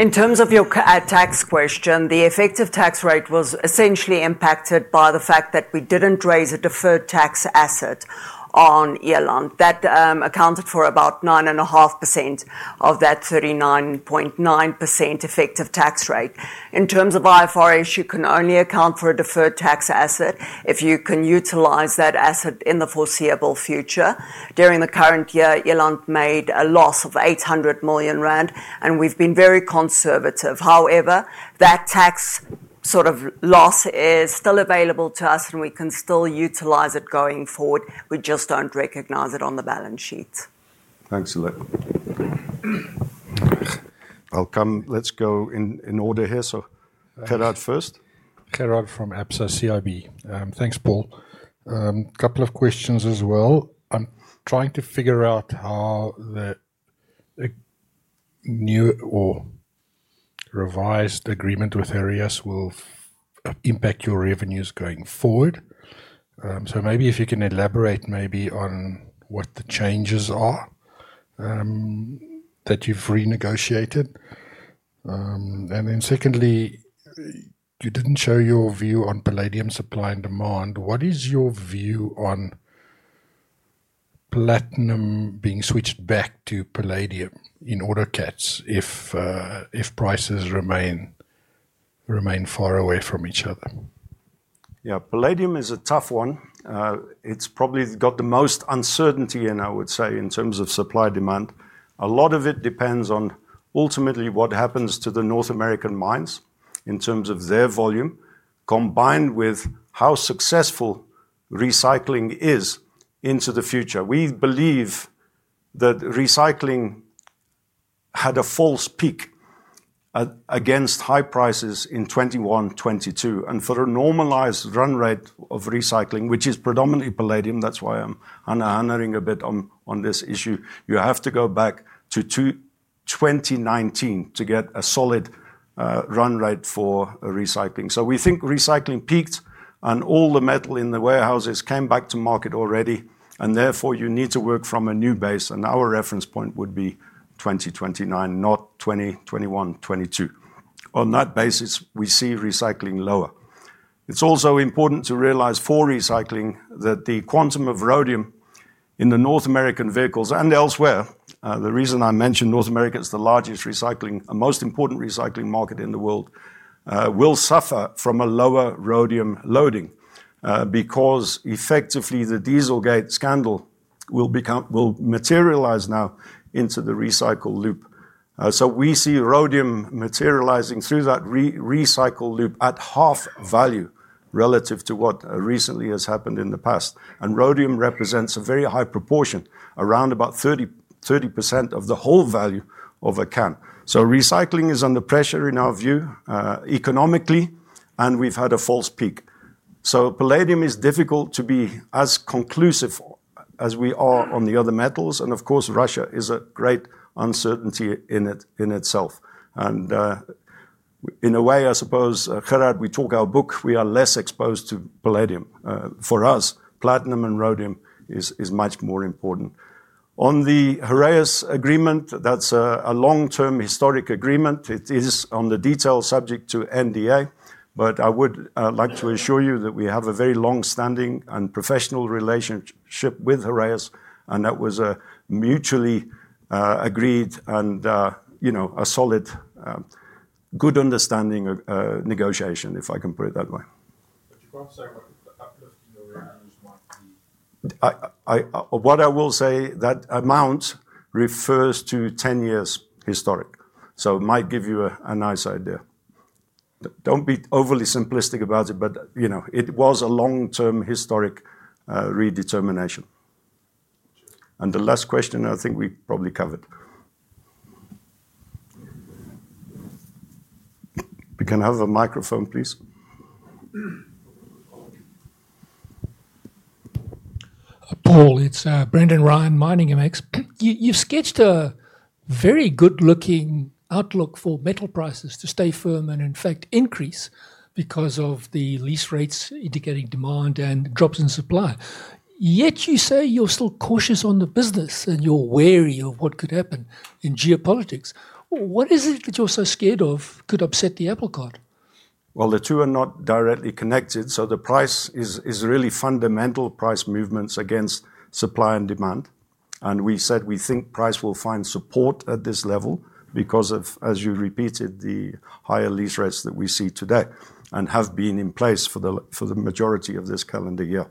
Speaker 1: in terms.
Speaker 2: Of your tax question. The effective tax rate was essentially impacted by the fact that we didn't raise a deferred tax asset on Eland. That accounted for about 9.5% of that 39.9% effective tax rate. In terms of IFRS, you can only account for a deferred tax asset if you can utilize that asset in the foreseeable future. During the current year, Eland made a loss of 800 million rand and we've been very conservative, however, that tax sort of loss is still available to us and we can still utilize it going forward. We just don't recognize it on the balance sheet.
Speaker 3: Thanks Alet.
Speaker 1: Welcome. Let's go in order here. Gerald first.
Speaker 4: Gerard from Absa CIB. Thanks, Paul. Couple of questions as well. I'm trying to figure out how a new or revised agreement with Heraeus will impact your revenues going forward. Maybe if you can elaborate on what the changes are that you've renegotiated. Secondly, you didn't show your view on palladium supply and demand. What is your view on platinum being switched back to palladium in autocats if prices remain far away from each other?
Speaker 1: Yeah, palladium is a tough one. It's probably got the most uncertainty, and I would say in terms of supply, demand, a lot of it depends on ultimately what happens to the North American mines in terms of their volume combined with how successful recycling is into the future. We believe that recycling had a false peak against high prices in 2021-2022. For a normalized run rate of recycling, which is predominantly palladium, that's why I'm hesitating a bit on this issue. You have to go back to 2019 to get a solid run rate for recycling. We think recycling peaked and all the metal in the warehouses came back to market already, and therefore you need to work from a new base. Our reference point would be 2029, not 2021-2022. On that basis, we see recycling lower. It's also important to realize for recycling that the quantum of rhodium in the North American vehicles and elsewhere, the reason I mention North America is the largest recycling, most important recycling market in the world, will suffer from a lower rhodium loading because effectively the dieselgate scandal will materialize now into the recycle loop. We see rhodium materializing through that recycle loop at half value relative to what recently has happened in the past. Rhodium represents a very high proportion of around about 30% of the whole value of a can. Recycling is under pressure in our view economically, and we've had a false peak. Palladium is difficult to be as conclusive as we are on the other metals. Of course, Russia is a great uncertainty in it in itself, and in a way, I suppose, Gerard, we talk our book. We are less exposed to palladium for us; platinum and rhodium is much more important on the Heraeus agreement. That's a long-term historic agreement. It is on the details subject to NDA, but I would like to assure you that we have a very long-standing and professional relationship with Heraeus, and that was a mutually agreed and, you know, a solid good understanding of negotiation, if I can put it that way. What I will say, that amount refers to 10 years historic, so it might give you a nice idea. Don't be overly simplistic about it, but, you know, it was a long-term historic redetermination. The last question I think we probably covered. We can have a microphone, please.
Speaker 5: Paul, it's Brendan Ryan, Miningmx. You've sketched a very good looking outlook for metal prices to stay firm and in fact increase because of the lease rates indicating demand and drops in supply. Yet you say you're still cautious on the business and you're wary of what could happen in geopolitics. What is it that you're so scared of could upset the apple cart?
Speaker 1: The two are not directly connected. The price is really fundamental price movements against supply and demand. We said we think price will find support at this level because of, as you repeated, the higher lease rates that we see today and have been in place for the majority of this calendar year.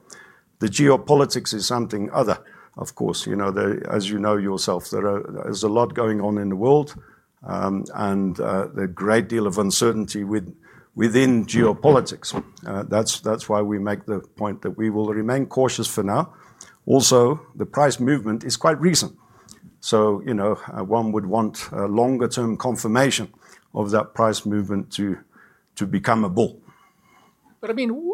Speaker 1: The geopolitics is something other of course, as you know yourself there's a lot going on in the world and a great deal of uncertainty within geopolitics. That's why we make the point that we will remain cautious for now. Also, the price movement is quite recent, so one would want a longer term confirmation of that price movement to become a bull.
Speaker 5: I mean.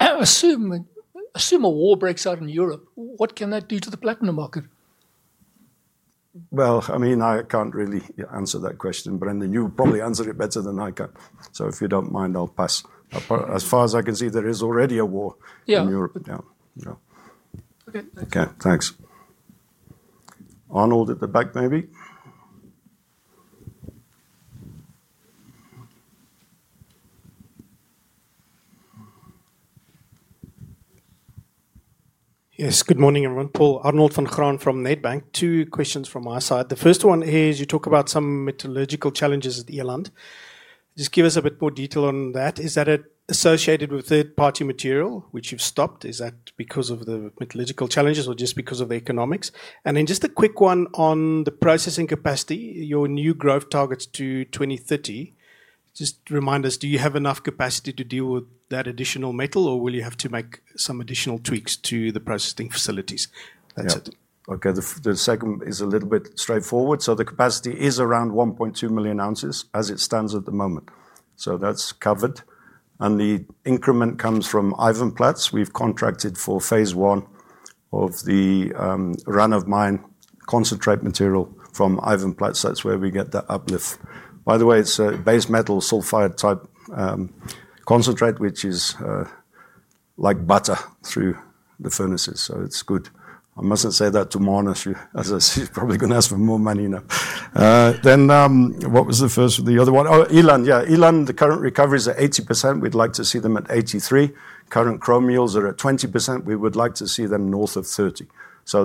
Speaker 5: Assume a war breaks out in Europe. What can that do to the platinum market?
Speaker 1: I can't really answer that question, Brendan. You probably answered it better than I can, so if you don't mind, I'll pass. As far as I can see, there is already a war in Europe. Okay, thanks, Arnold. At the back maybe? Yes.
Speaker 6: Good morning everyone. Paul. Arnold Van Grahn from Nedbank. Two questions from my side. The first one is you talk about some metallurgical challenges at Eland. Just give us a bit more detail on that. Is that associated with third party material which you've stopped? Is that because of the metallurgical challenges or just because of the economics? Just a quick one on the processing capacity, your new growth targets to 2030. Just remind us, do you have enough capacity to deal with that additional metal or will you have to make some additional tweaks to the processing facilities?
Speaker 1: Okay. The second is a little bit straightforward. The capacity is around 1.2 million oz as it stands at the moment. That's covered, and the increment comes from Ivanplats. We've contracted for phase 1 of the run of mine concentrate material from Ivanplats. That's where we get the uplift, by the way. It's a base metal sulfide type concentrate, which is like butter through the furnaces. It's good. I mustn't say that to Monash as she's probably going to ask for more money. Now, what was the first, the other one? Oh, Eland. Yeah, Eland. The current recoveries are 80%. We'd like to see them at 83%. Current chrome yields are at 20%. We would like to see them north of 30%.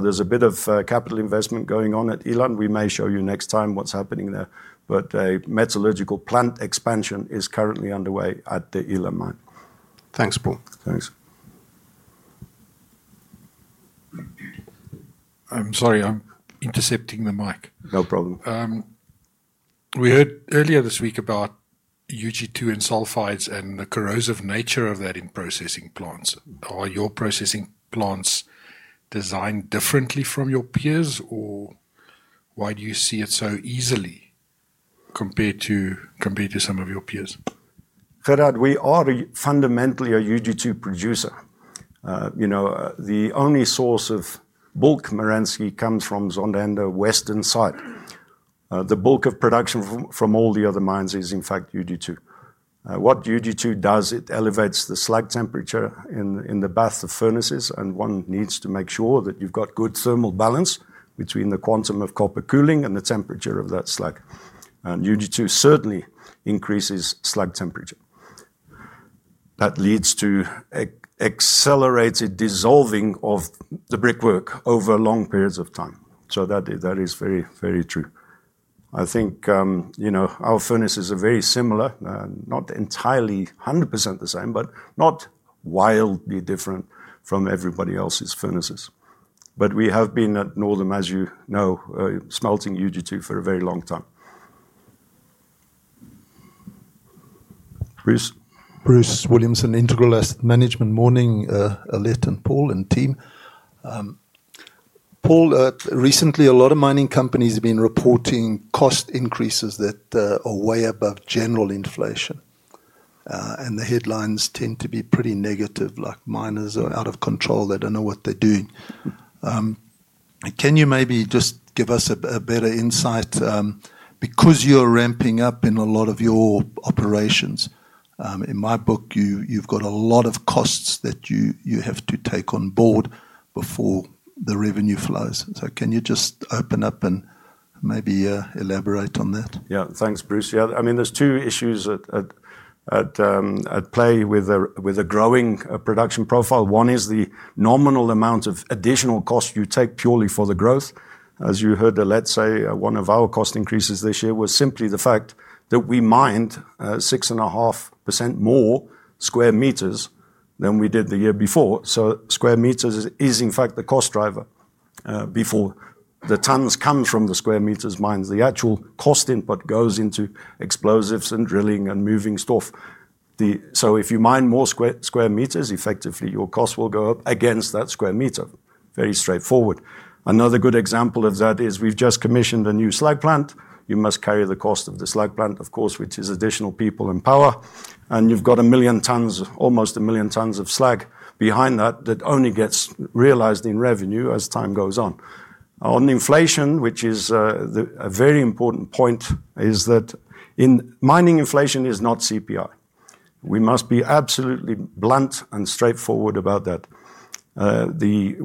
Speaker 1: There's a bit of capital investment going on at Eland. We may show you next time what's happening there, but a metallurgical plant expansion is currently underway at the Eland mine.
Speaker 6: Thanks, Paul.
Speaker 1: Thanks.
Speaker 4: I'm sorry, I'm intercepting the mic.
Speaker 1: No problem.
Speaker 4: We heard earlier this week about UG2 and sulfides and the corrosive nature of that in processing plants. Are your processing plants designed differently from your peers, or why do you see it so easily compared to, compared to?
Speaker 1: Some of your peers, Gerard, we are fundamentally a UG2 producer. You know, the only source of bulk Merensky comes from Zondereinde western side. The bulk of production from all the other mines is in fact UG2. What UG2 does, it elevates the slag temperature in the baths of furnaces. One needs to make sure that you've got good thermal balance between the quantum of copper cooling and the temperature of that slag. UG2 certainly increases slag temperature. That leads to accelerated dissolving of the brickwork over long periods of time. That is very, very true. I think, you know, our furnaces are very similar, not entirely 100% the same, but not wildly different from everybody else's furnaces. We have been at Northam, as you know, smelting UG2 for a very long time.
Speaker 7: Bruce Williamson, Integral Asset Management, morning Alette and Paul and team. Paul. Recently, a lot of mining companies have been reporting cost increases that are way above general inflation. The headlines tend to be pretty negative, like miners are out of control, they don't know what they're doing. Can you maybe just give us a better insight? You are ramping up in a lot of your operations. In my book, you've got a lot of costs that you have to take on board before the revenue flows. Can you just open up and maybe elaborate on that?
Speaker 1: Yeah, thanks, Bruce. Yeah, I mean there's two issues at play with a growing production profile. One is the nominal amount of additional cost you take purely for the growth. As you heard, let's say one of our cost increases this year was simply the fact that we mined 6.5% more square meters than we did the year before. Square meters is in fact the cost driver. Before the tons come from the square meters mined, the actual cost input goes into explosives and drilling and moving stuff. If you mine more square meters, effectively your cost will go up against that square meter. Very straightforward. Another good example of that is we've just commissioned a new slag plant. You must carry the cost of the slag plant, of course, which is additional people and power, and you've got a million tons, almost a million tons of slag behind that. That only gets realized in revenue as time goes on. On inflation, which is a very important point, mining inflation is not CPI. We must be absolutely blunt and straightforward about that.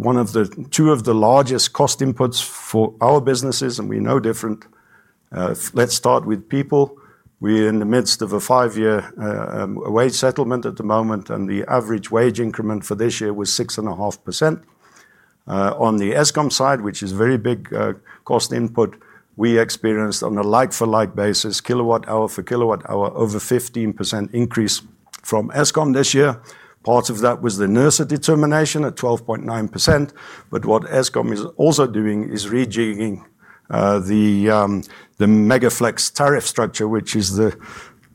Speaker 1: One of the two of the largest cost inputs for our business, and we're no different. Let's start with people. We're in the midst of a five-year wage settlement at the moment, and the average wage increment for this year was 6.5%. On the Eskom side, which is a very big cost input, we experienced on a like-for-like basis, kilowatt hour for kilowatt hour, over 15% increase from Eskom this year. Part of that was the Nersa determination at 12.9%. What Eskom is also doing is rejigging the Megaflex tariff structure, which is the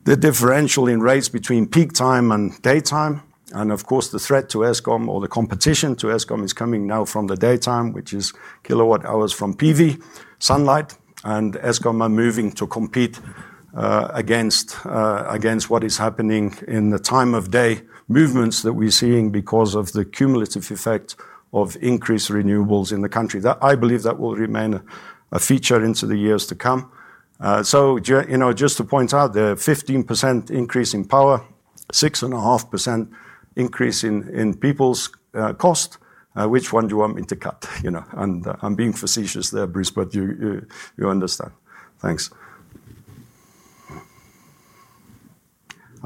Speaker 1: differential in rates between peak time and daytime. The threat to Eskom, or the competition to Eskom, is coming now from the daytime, which is kilowatt hours from PV. Sunlight and Eskom are moving to compete against what is happening in the time of day movements that we're seeing because of the cumulative effect of increased renewables in the country. I believe that will remain a feature into the years to come. Just to point out, the 15% increase in power, 6.5% increase in people's cost. Which one do you want me to cut? I'm being facetious there, Bruce, but you understand. Thanks.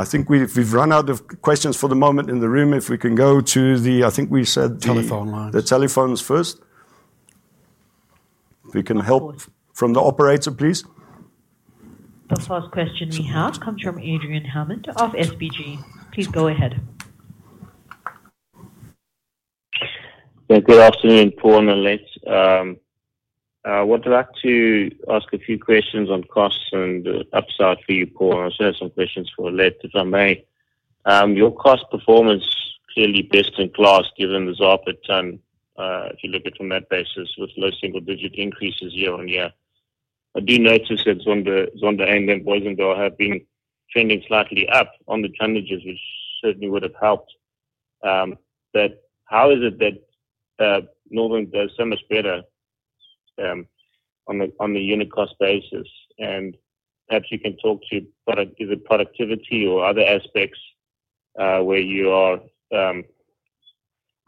Speaker 1: I think we've run out of questions for the moment in the room. If we can go to the, I think we said.
Speaker 8: Telephone line.
Speaker 1: The telephones first. We can help from the operator, please.
Speaker 9: The first question we have comes from Adrian Hammond of SBG. Please go ahead.
Speaker 10: Good afternoon, Paul and Les. I would like to ask a few questions on costs and upside for you, Paul. I also have some questions for Alet, if I may. Your cost performance clearly best in class given the Zondereinde, if you look at from that basis with low single digit increases year on year. I do notice that Zondereinde and Booysendal have been trending slightly up on the tonnages, which certainly would have helped. How is it that Northam does so much better on the unit cost basis? Perhaps you can talk to productivity or other aspects where you are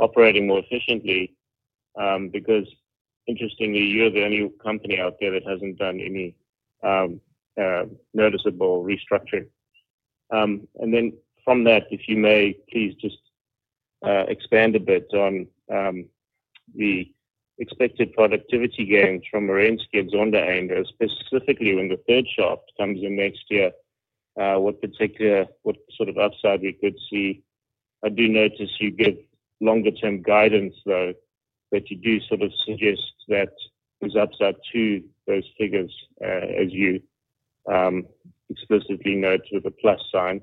Speaker 10: operating more efficiently because interestingly you're the only company out there that hasn't done any noticeable restructuring. From that, if you may please just expand a bit on the expected productivity gains from Eland and Zondereinde and specifically when the third shaft comes in next year, what particular, what sort of upside we could see? I do notice you give longer term guidance though that you do sort of suggest that there's upside to those figures, as you explicitly note with the plus sign.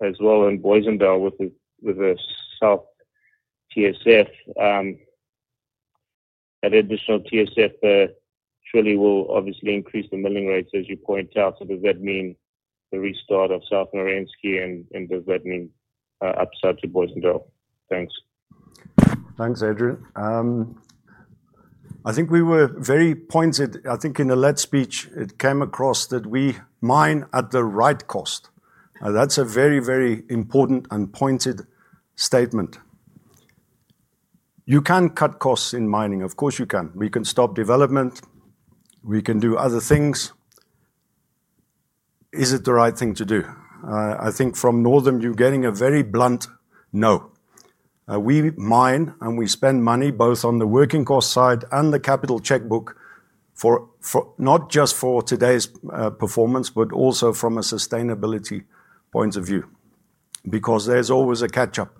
Speaker 10: As well in Booysendal with the south TSF, an additional TSF surely will obviously increase the milling rates, as you point out. Does that mean the restart of South Eland and the ramp-up south to Booysendal? Thanks.
Speaker 1: Thanks, Adrian. I think we were very pointed. I think in the late speech it came across that we mine at the right cost. That's a very, very important and pointed statement. You can cut costs in mining, of course you can. We can stop development, we can do other things. Is it the right thing to do? I think from Northam you're getting a very blunt no. We mine and we spend money both on the working cost side and the capital checkbook, not just for today's performance but also from a sustainability point of view because there's always a catch up.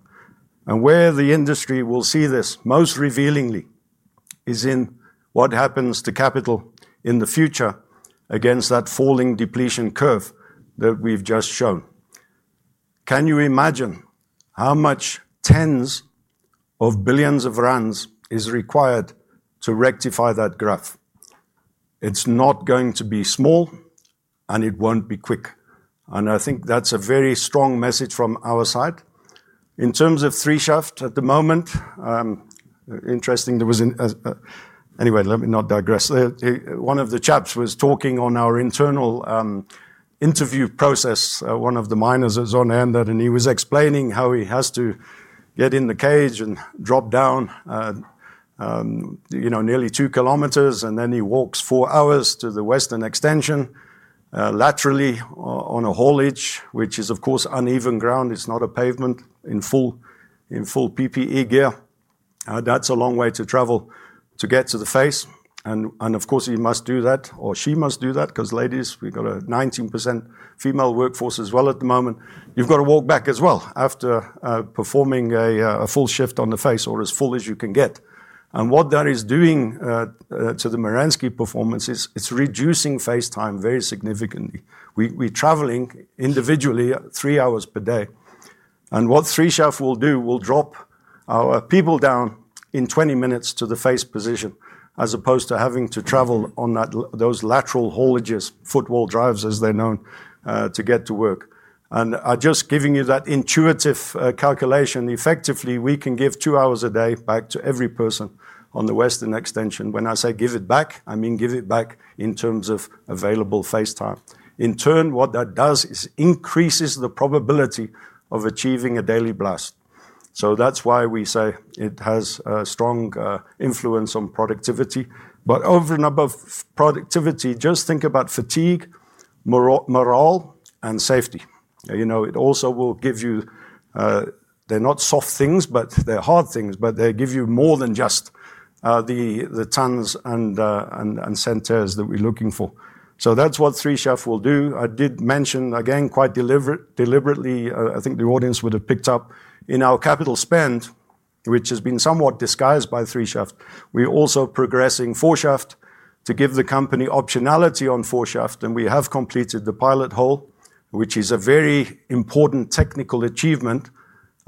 Speaker 1: Where the industry will see this most revealingly is in what happens to capital in the future against that falling depletion curve that we've just shown. Can you imagine how much tens of billions of rand is required to rectify that graph? It's not going to be small and it won't be quick. I think that's a very strong message from our side in terms of 3 Shaft at the moment. One of the chaps was talking on our internal interview process. One of the miners is on hand and he was explaining how he has to get in the cage and drop down, you know, nearly 2 km and then he walks four hours to the Western Extension laterally on a haulage which is of course uneven ground, it's not a pavement, in full PPE gear. That's a long way to travel to get to the face. Of course you must do that or she must do that because ladies, we've got a 19% female workforce as well at the moment. You've got to walk back as well after performing a full shift on the face or as full as you can get. What that is doing to the Merensky performance is it's reducing face time very significantly. We traveling individually, three hours per day and what 3 Shaft will do will drop our people down in 20 minutes to the face position as opposed to having to travel on those lateral haulages, footwall drives as they're known to get to work. Just giving you that intuitive calculation, effectively we can give two hours a day back to every person on the Western Extension. When I say give it back, I mean give it back in terms of available face time. In turn, what that does is increases the probability of achieving a daily blast. That's why we say it has a strong influence on productivity. Over and above productivity, just think about fatigue, morale and safety. You know, it also will give you. They're not soft things, but they're hard things. They give you more than just the tonnes and centers that we're looking for. That's what 3 Shaft will do. I did mention again, quite deliberately, I think the audience would have picked up in our capital spend, which has been somewhat disguised by 3 Shaft. We are also progressing 4 Shaft to give the company optionality on 4 Shaft. We have completed the pilot hole, which is a very important technical achievement,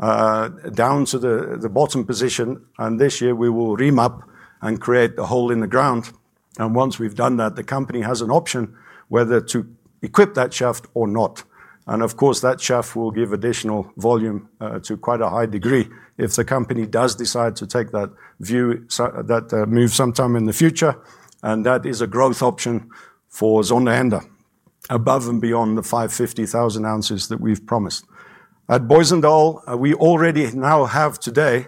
Speaker 1: down to the bottom position. This year we will remap and create the hole in the ground. Once we've done that, the company has an option whether to equip that shaft or not. That shaft will give additional volume to quite a high degree if the company does decide to take that view, that move sometime in the future. That is a growth option for Zondereinde. Above and beyond the 550,000 oz that we've promised at Booysendal, we already now have today.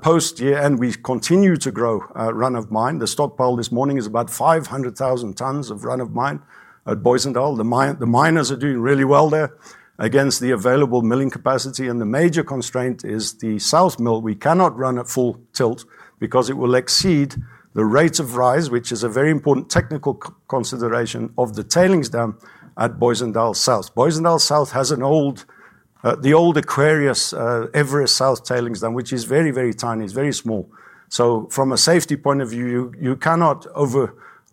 Speaker 1: Post year end, we continue to grow run of mine. The stockpile this morning is about 500,000 tons of run of mine at Booysendal. The miners are doing really well there against the available milling capacity. The major constraint is the south mill. We cannot run at full tilt because it will exceed the rate of rise, which is a very important technical consideration of the tailings dam at Booysendal South. Booysendal South has the old Aquarius Everest South tailings dam, which is very, very tiny. It's very small. From a safety point of view, you cannot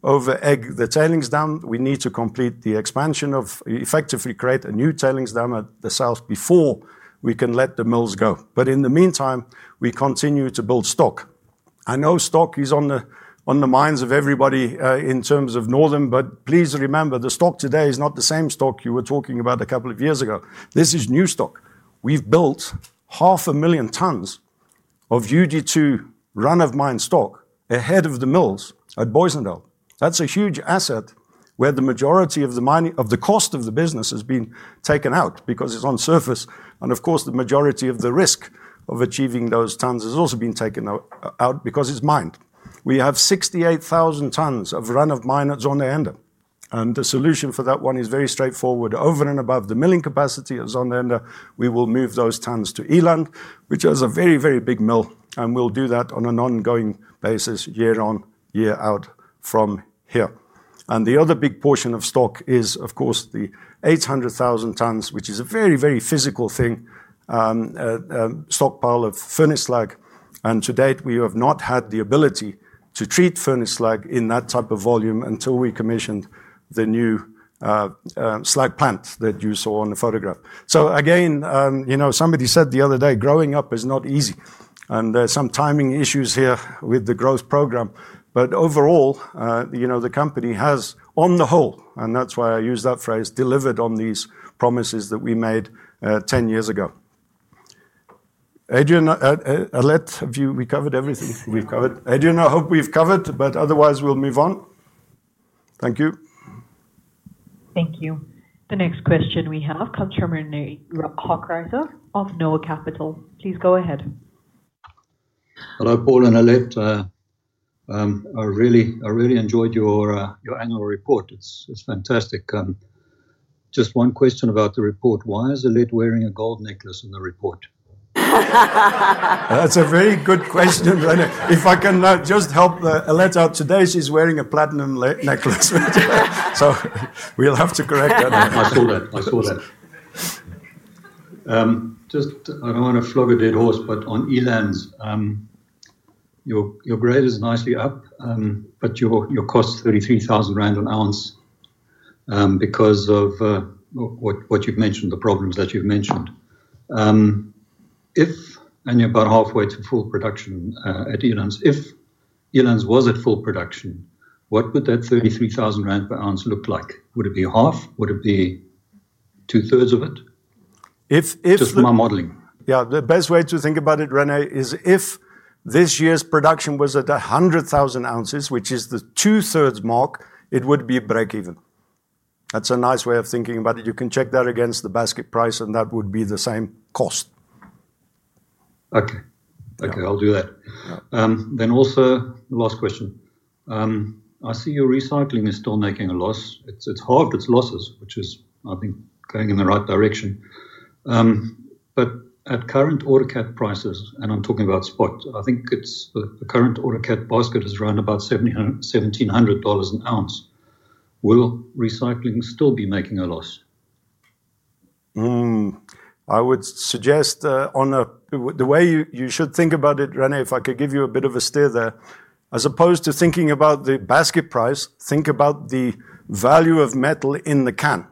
Speaker 1: over egg the tailings dam. We need to complete the expansion to effectively create a new tailings dam at the south before we can let the mills go. In the meantime, we continue to build stock. I know stock is on the minds of everybody in terms of Northam. Please remember the stock today is not the same stock you were talking about a couple of years ago. This is new stock. We've built 500,000 tons of UG2 run of mine stock ahead of the mills at Booysendal. That's a huge asset where the majority of the mining of the cost of the business has been taken out because it's on surface. The majority of the risk of achieving those tons has also been taken out because it's mined. We have 68,000 tons of run of mine at Zondereinde. The solution for that one is very straightforward. Over and above the milling capacity of Zondereinde, we will move those tons to Eland, which is a very, very big mill. We'll do that on an ongoing basis, year on, year out from here. The other big portion of stock is, of course, the 800,000 tonnes, which is a very, very physical thing: stockpile of furnace slag. To date, we have not had the ability to treat furnace slag in that type of volume until we commissioned the new slag plant that you saw on the photograph. You know, somebody said the other day, growing up is not easy. There are some timing issues here with the growth program. Overall, the company has, on the whole, and that's why I use that phrase, delivered on these promises that we made 10 years ago. Adrian, Alet, we covered everything. We've covered, Adrian. I hope we've covered, but otherwise we'll move on. Thank you.
Speaker 9: Thank you. The next question we have comes from. René Hochreiter. Please go ahead.
Speaker 11: Hello, Paul and Alet. I really enjoyed your annual report. It's fantastic. Just one question about the report. Why is Alet wearing a gold necklace in the report?
Speaker 1: That's a very good question. If I can just help Alet out today, she's wearing a platinum necklace, so we'll have to correct that.
Speaker 11: I saw that. I saw that. I don't want to flog a dead horse, but on Eland, your grade is nicely up. Your cost, 33,000 rand an ounce, because of what you've mentioned, the problems that you've mentioned. If you're about halfway to full production at Eland, if Eland was at full production, what would that 33,000 rand per ounce look like? Would it be half? Would it be two thirds of it?
Speaker 1: It's.
Speaker 11: It's just my modeling.
Speaker 1: Yeah. The best way to think about it, René, is if this year's production was at 100,000 oz, which is the two thirds mark, it would be breakeven. That's a nice way of thinking about it. You can check that against the basket price, and that would be the same cost.
Speaker 11: Okay, I'll do that then. Also, the last question. I see your recycling is still making a loss. It's halved its losses, which is, I think, going in the right direction. At current autocatalyst prices, and I'm talking about spot, I think it's—the current autocatalyst basket is around about $1,700 an ounce. Will recycling still be making a loss?
Speaker 1: I would suggest on the way you should think about it, René if I could give you a bit of a steer there, as opposed to thinking about the basket price, think about the value of metal in the can,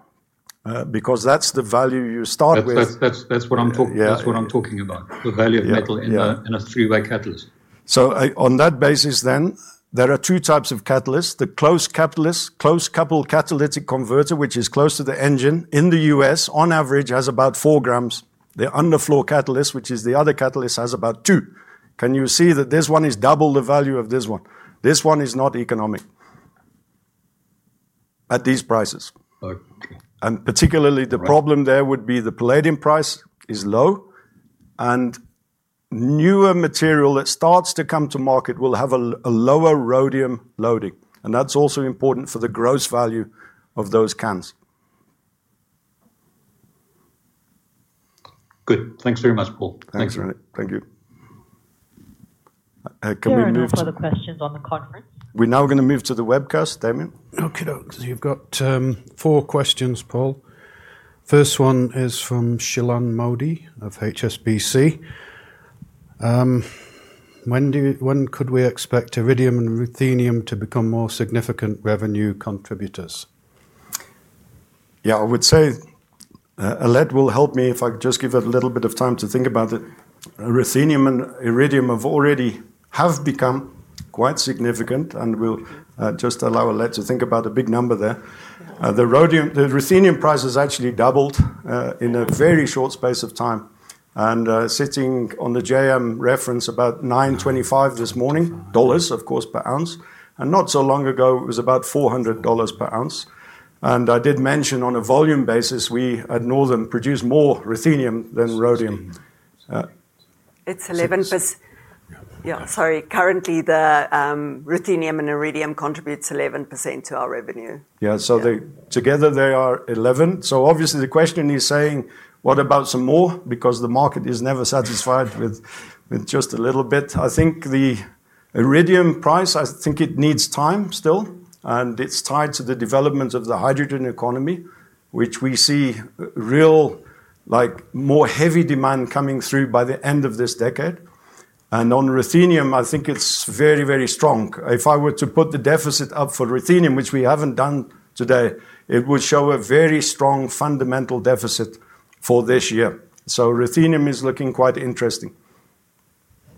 Speaker 1: because that's the value you start with.
Speaker 11: That's what I'm talking about. The value of metal in a three way catalyst.
Speaker 1: There are two types of catalysts. The close coupled catalytic converter, which is close to the engine in the U.S. on average has about 4 gm. The underfloor catalyst, which is the other catalyst, has about 2 gm. Can you see that? This one is double the value of this one. This one is not economic at these prices, and particularly the problem there would be the palladium price is low, and newer material that starts to come to market will have a lower rhodium loading. That's also important for the gross value of those cans. Good.
Speaker 11: Thanks very much, Paul.
Speaker 1: Thanks. Thank you. Can we move? We're now going to move to the webcast, Damian.
Speaker 8: Okay. You've got four questions, Paul. The first one is from Shilan Modi of HSBC. When could we expect iridium and ruthenium to become more significant revenue contributors?
Speaker 1: Yeah, I would say Alet will help me if I just give it a little bit of time to think about it. Ruthenium and iridium have already become quite significant and we'll just allow Alet to think about a big number there, the rhodium. The ruthenium prices actually doubled in a very short space of time, sitting on the JM reference, about $925 this morning. Dollars, of course, per ounce. Not so long ago it was about $400 per ounce. I did mention on a volume basis, we at Northam produce more ruthenium than rhodium.
Speaker 2: It's 11%. Sorry. Currently the ruthenium and iridium contributes 11% to our revenue.
Speaker 1: Yeah, so together they are 11%. Obviously, the question is saying what about some more? Because the market is never satisfied with just a little bit. I think the iridium price, I think it needs time still, and it's tied to the development of the hydrogen economy, which we see real, like, more heavy demand coming through by the end of this decade. On ruthenium, I think it's very, very strong. If I were to put the deficit up for ruthenium, which we haven't done today, it would show a very strong fundamental deficit for this year. Ruthenium is looking quite interesting.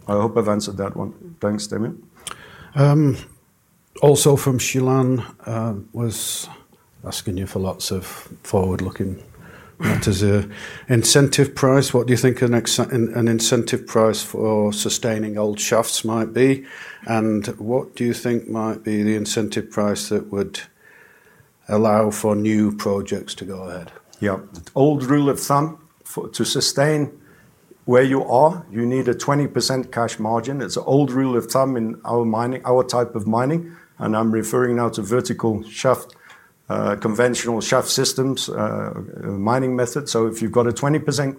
Speaker 1: I hope I've answered that one. Thanks, Damian.
Speaker 8: Also, Shilan was asking you for lots of forward-looking matters. Incentive price. What do you think an incentive price for sustaining old shafts might be? What do you think might be the incentive price that would allow for new projects to go ahead?
Speaker 1: Yeah, the old rule of thumb to sustain where you are, you need a 20% cash margin. It's an old rule of thumb in our type of mining. I'm referring now to vertical shaft, conventional shaft systems mining method. If you've got a 20%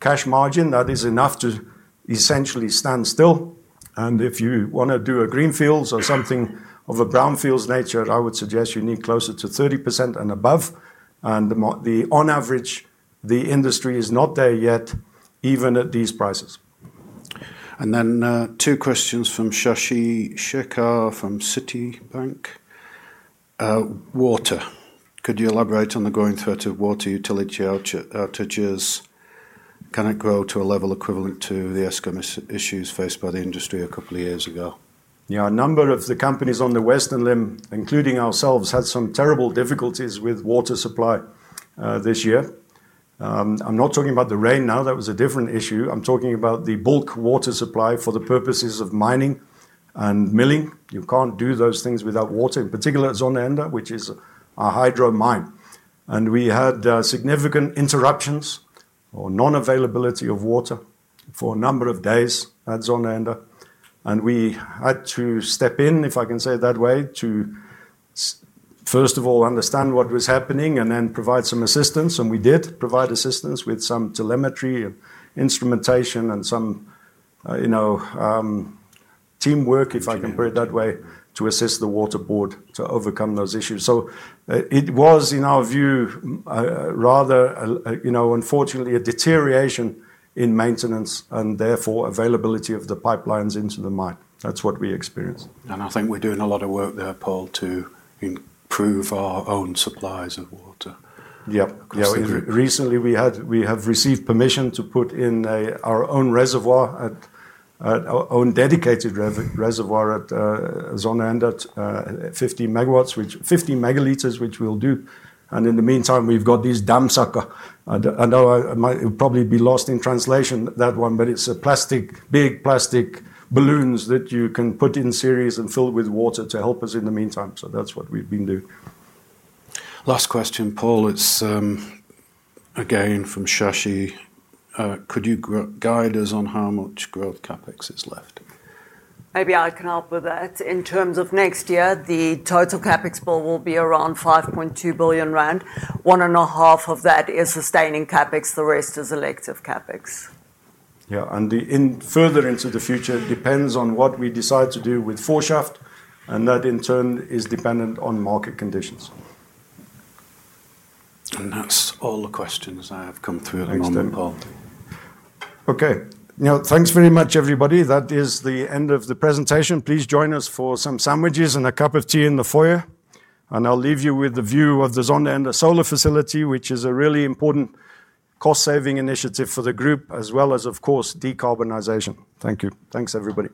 Speaker 1: cash margin, that is enough to essentially stand still. If you want to do a greenfields or something of a brownfields nature, I would suggest you need closer to 30% and above. On average, the industry is not there yet, even at these prices.
Speaker 8: Two questions from Shashi Shekhar from Citibank. Could you elaborate on the growing threat of water utility outages? Can it grow to a level equivalent to the Eskom issues faced by the industry?
Speaker 1: A couple of years ago? a number of the companies on the western limb, including ourselves, had some terrible difficulties with water supply. This year, I'm not talking about the rain now, that was a different issue. I'm talking about the bulk water supply for the purposes of mining and milling. You can't do those things without water. In particular, Zondereinde, which is a hydro mine. We had significant interruptions or non-availability of water for a number of days at Zondereinde. We had to step in, if I can say it that way, to first of all understand what was happening and then provide some assistance. We did provide assistance with some telemetry instrumentation and some, you know, teamwork, if I can put it that way, to assist the water board to overcome those issues. It was in our view rather, you know, unfortunately a deterioration in maintenance and therefore availability of the pipelines into the mine. That's what we experience and I think.
Speaker 8: We're doing a lot of work there, Paul, to improve our own supplies of water.
Speaker 1: Yeah, recently we have received permission to put in our own reservoir, our own dedicated reservoir at Zondereinde at 50 ml, which we'll do. In the meantime, we've got these damsucker. I know it'll probably be lost in translation, that one, but it's a big plastic, plastic balloons that you can put in series and fill with water to help us in the meantime. That's what we've been doing.
Speaker 8: Last question, Paul, it's again from Shashi. Could you guide us on how much growth CapEx is left?
Speaker 2: Maybe I can help with that. In terms of next year, the total capital expenditure bill will be around 5.2 billion rand. One and a half of that is sustaining capital expenditure. The rest is elective capital expenditure.
Speaker 1: Yeah, further into the future depends on what we decide to do with 4 Shaft. That in turn is dependent on market conditions.
Speaker 8: That's all the questions I have come through.
Speaker 1: Okay, thanks very much, everybody. That is the end of the presentation. Please join us for some sandwiches and a cup of tea in the foyer. I'll leave you with the view of the Zondereinde solar facility, which is a really important cost saving initiative for the group, as well as, of course, decarbonization. Thank you. Thanks, everybody.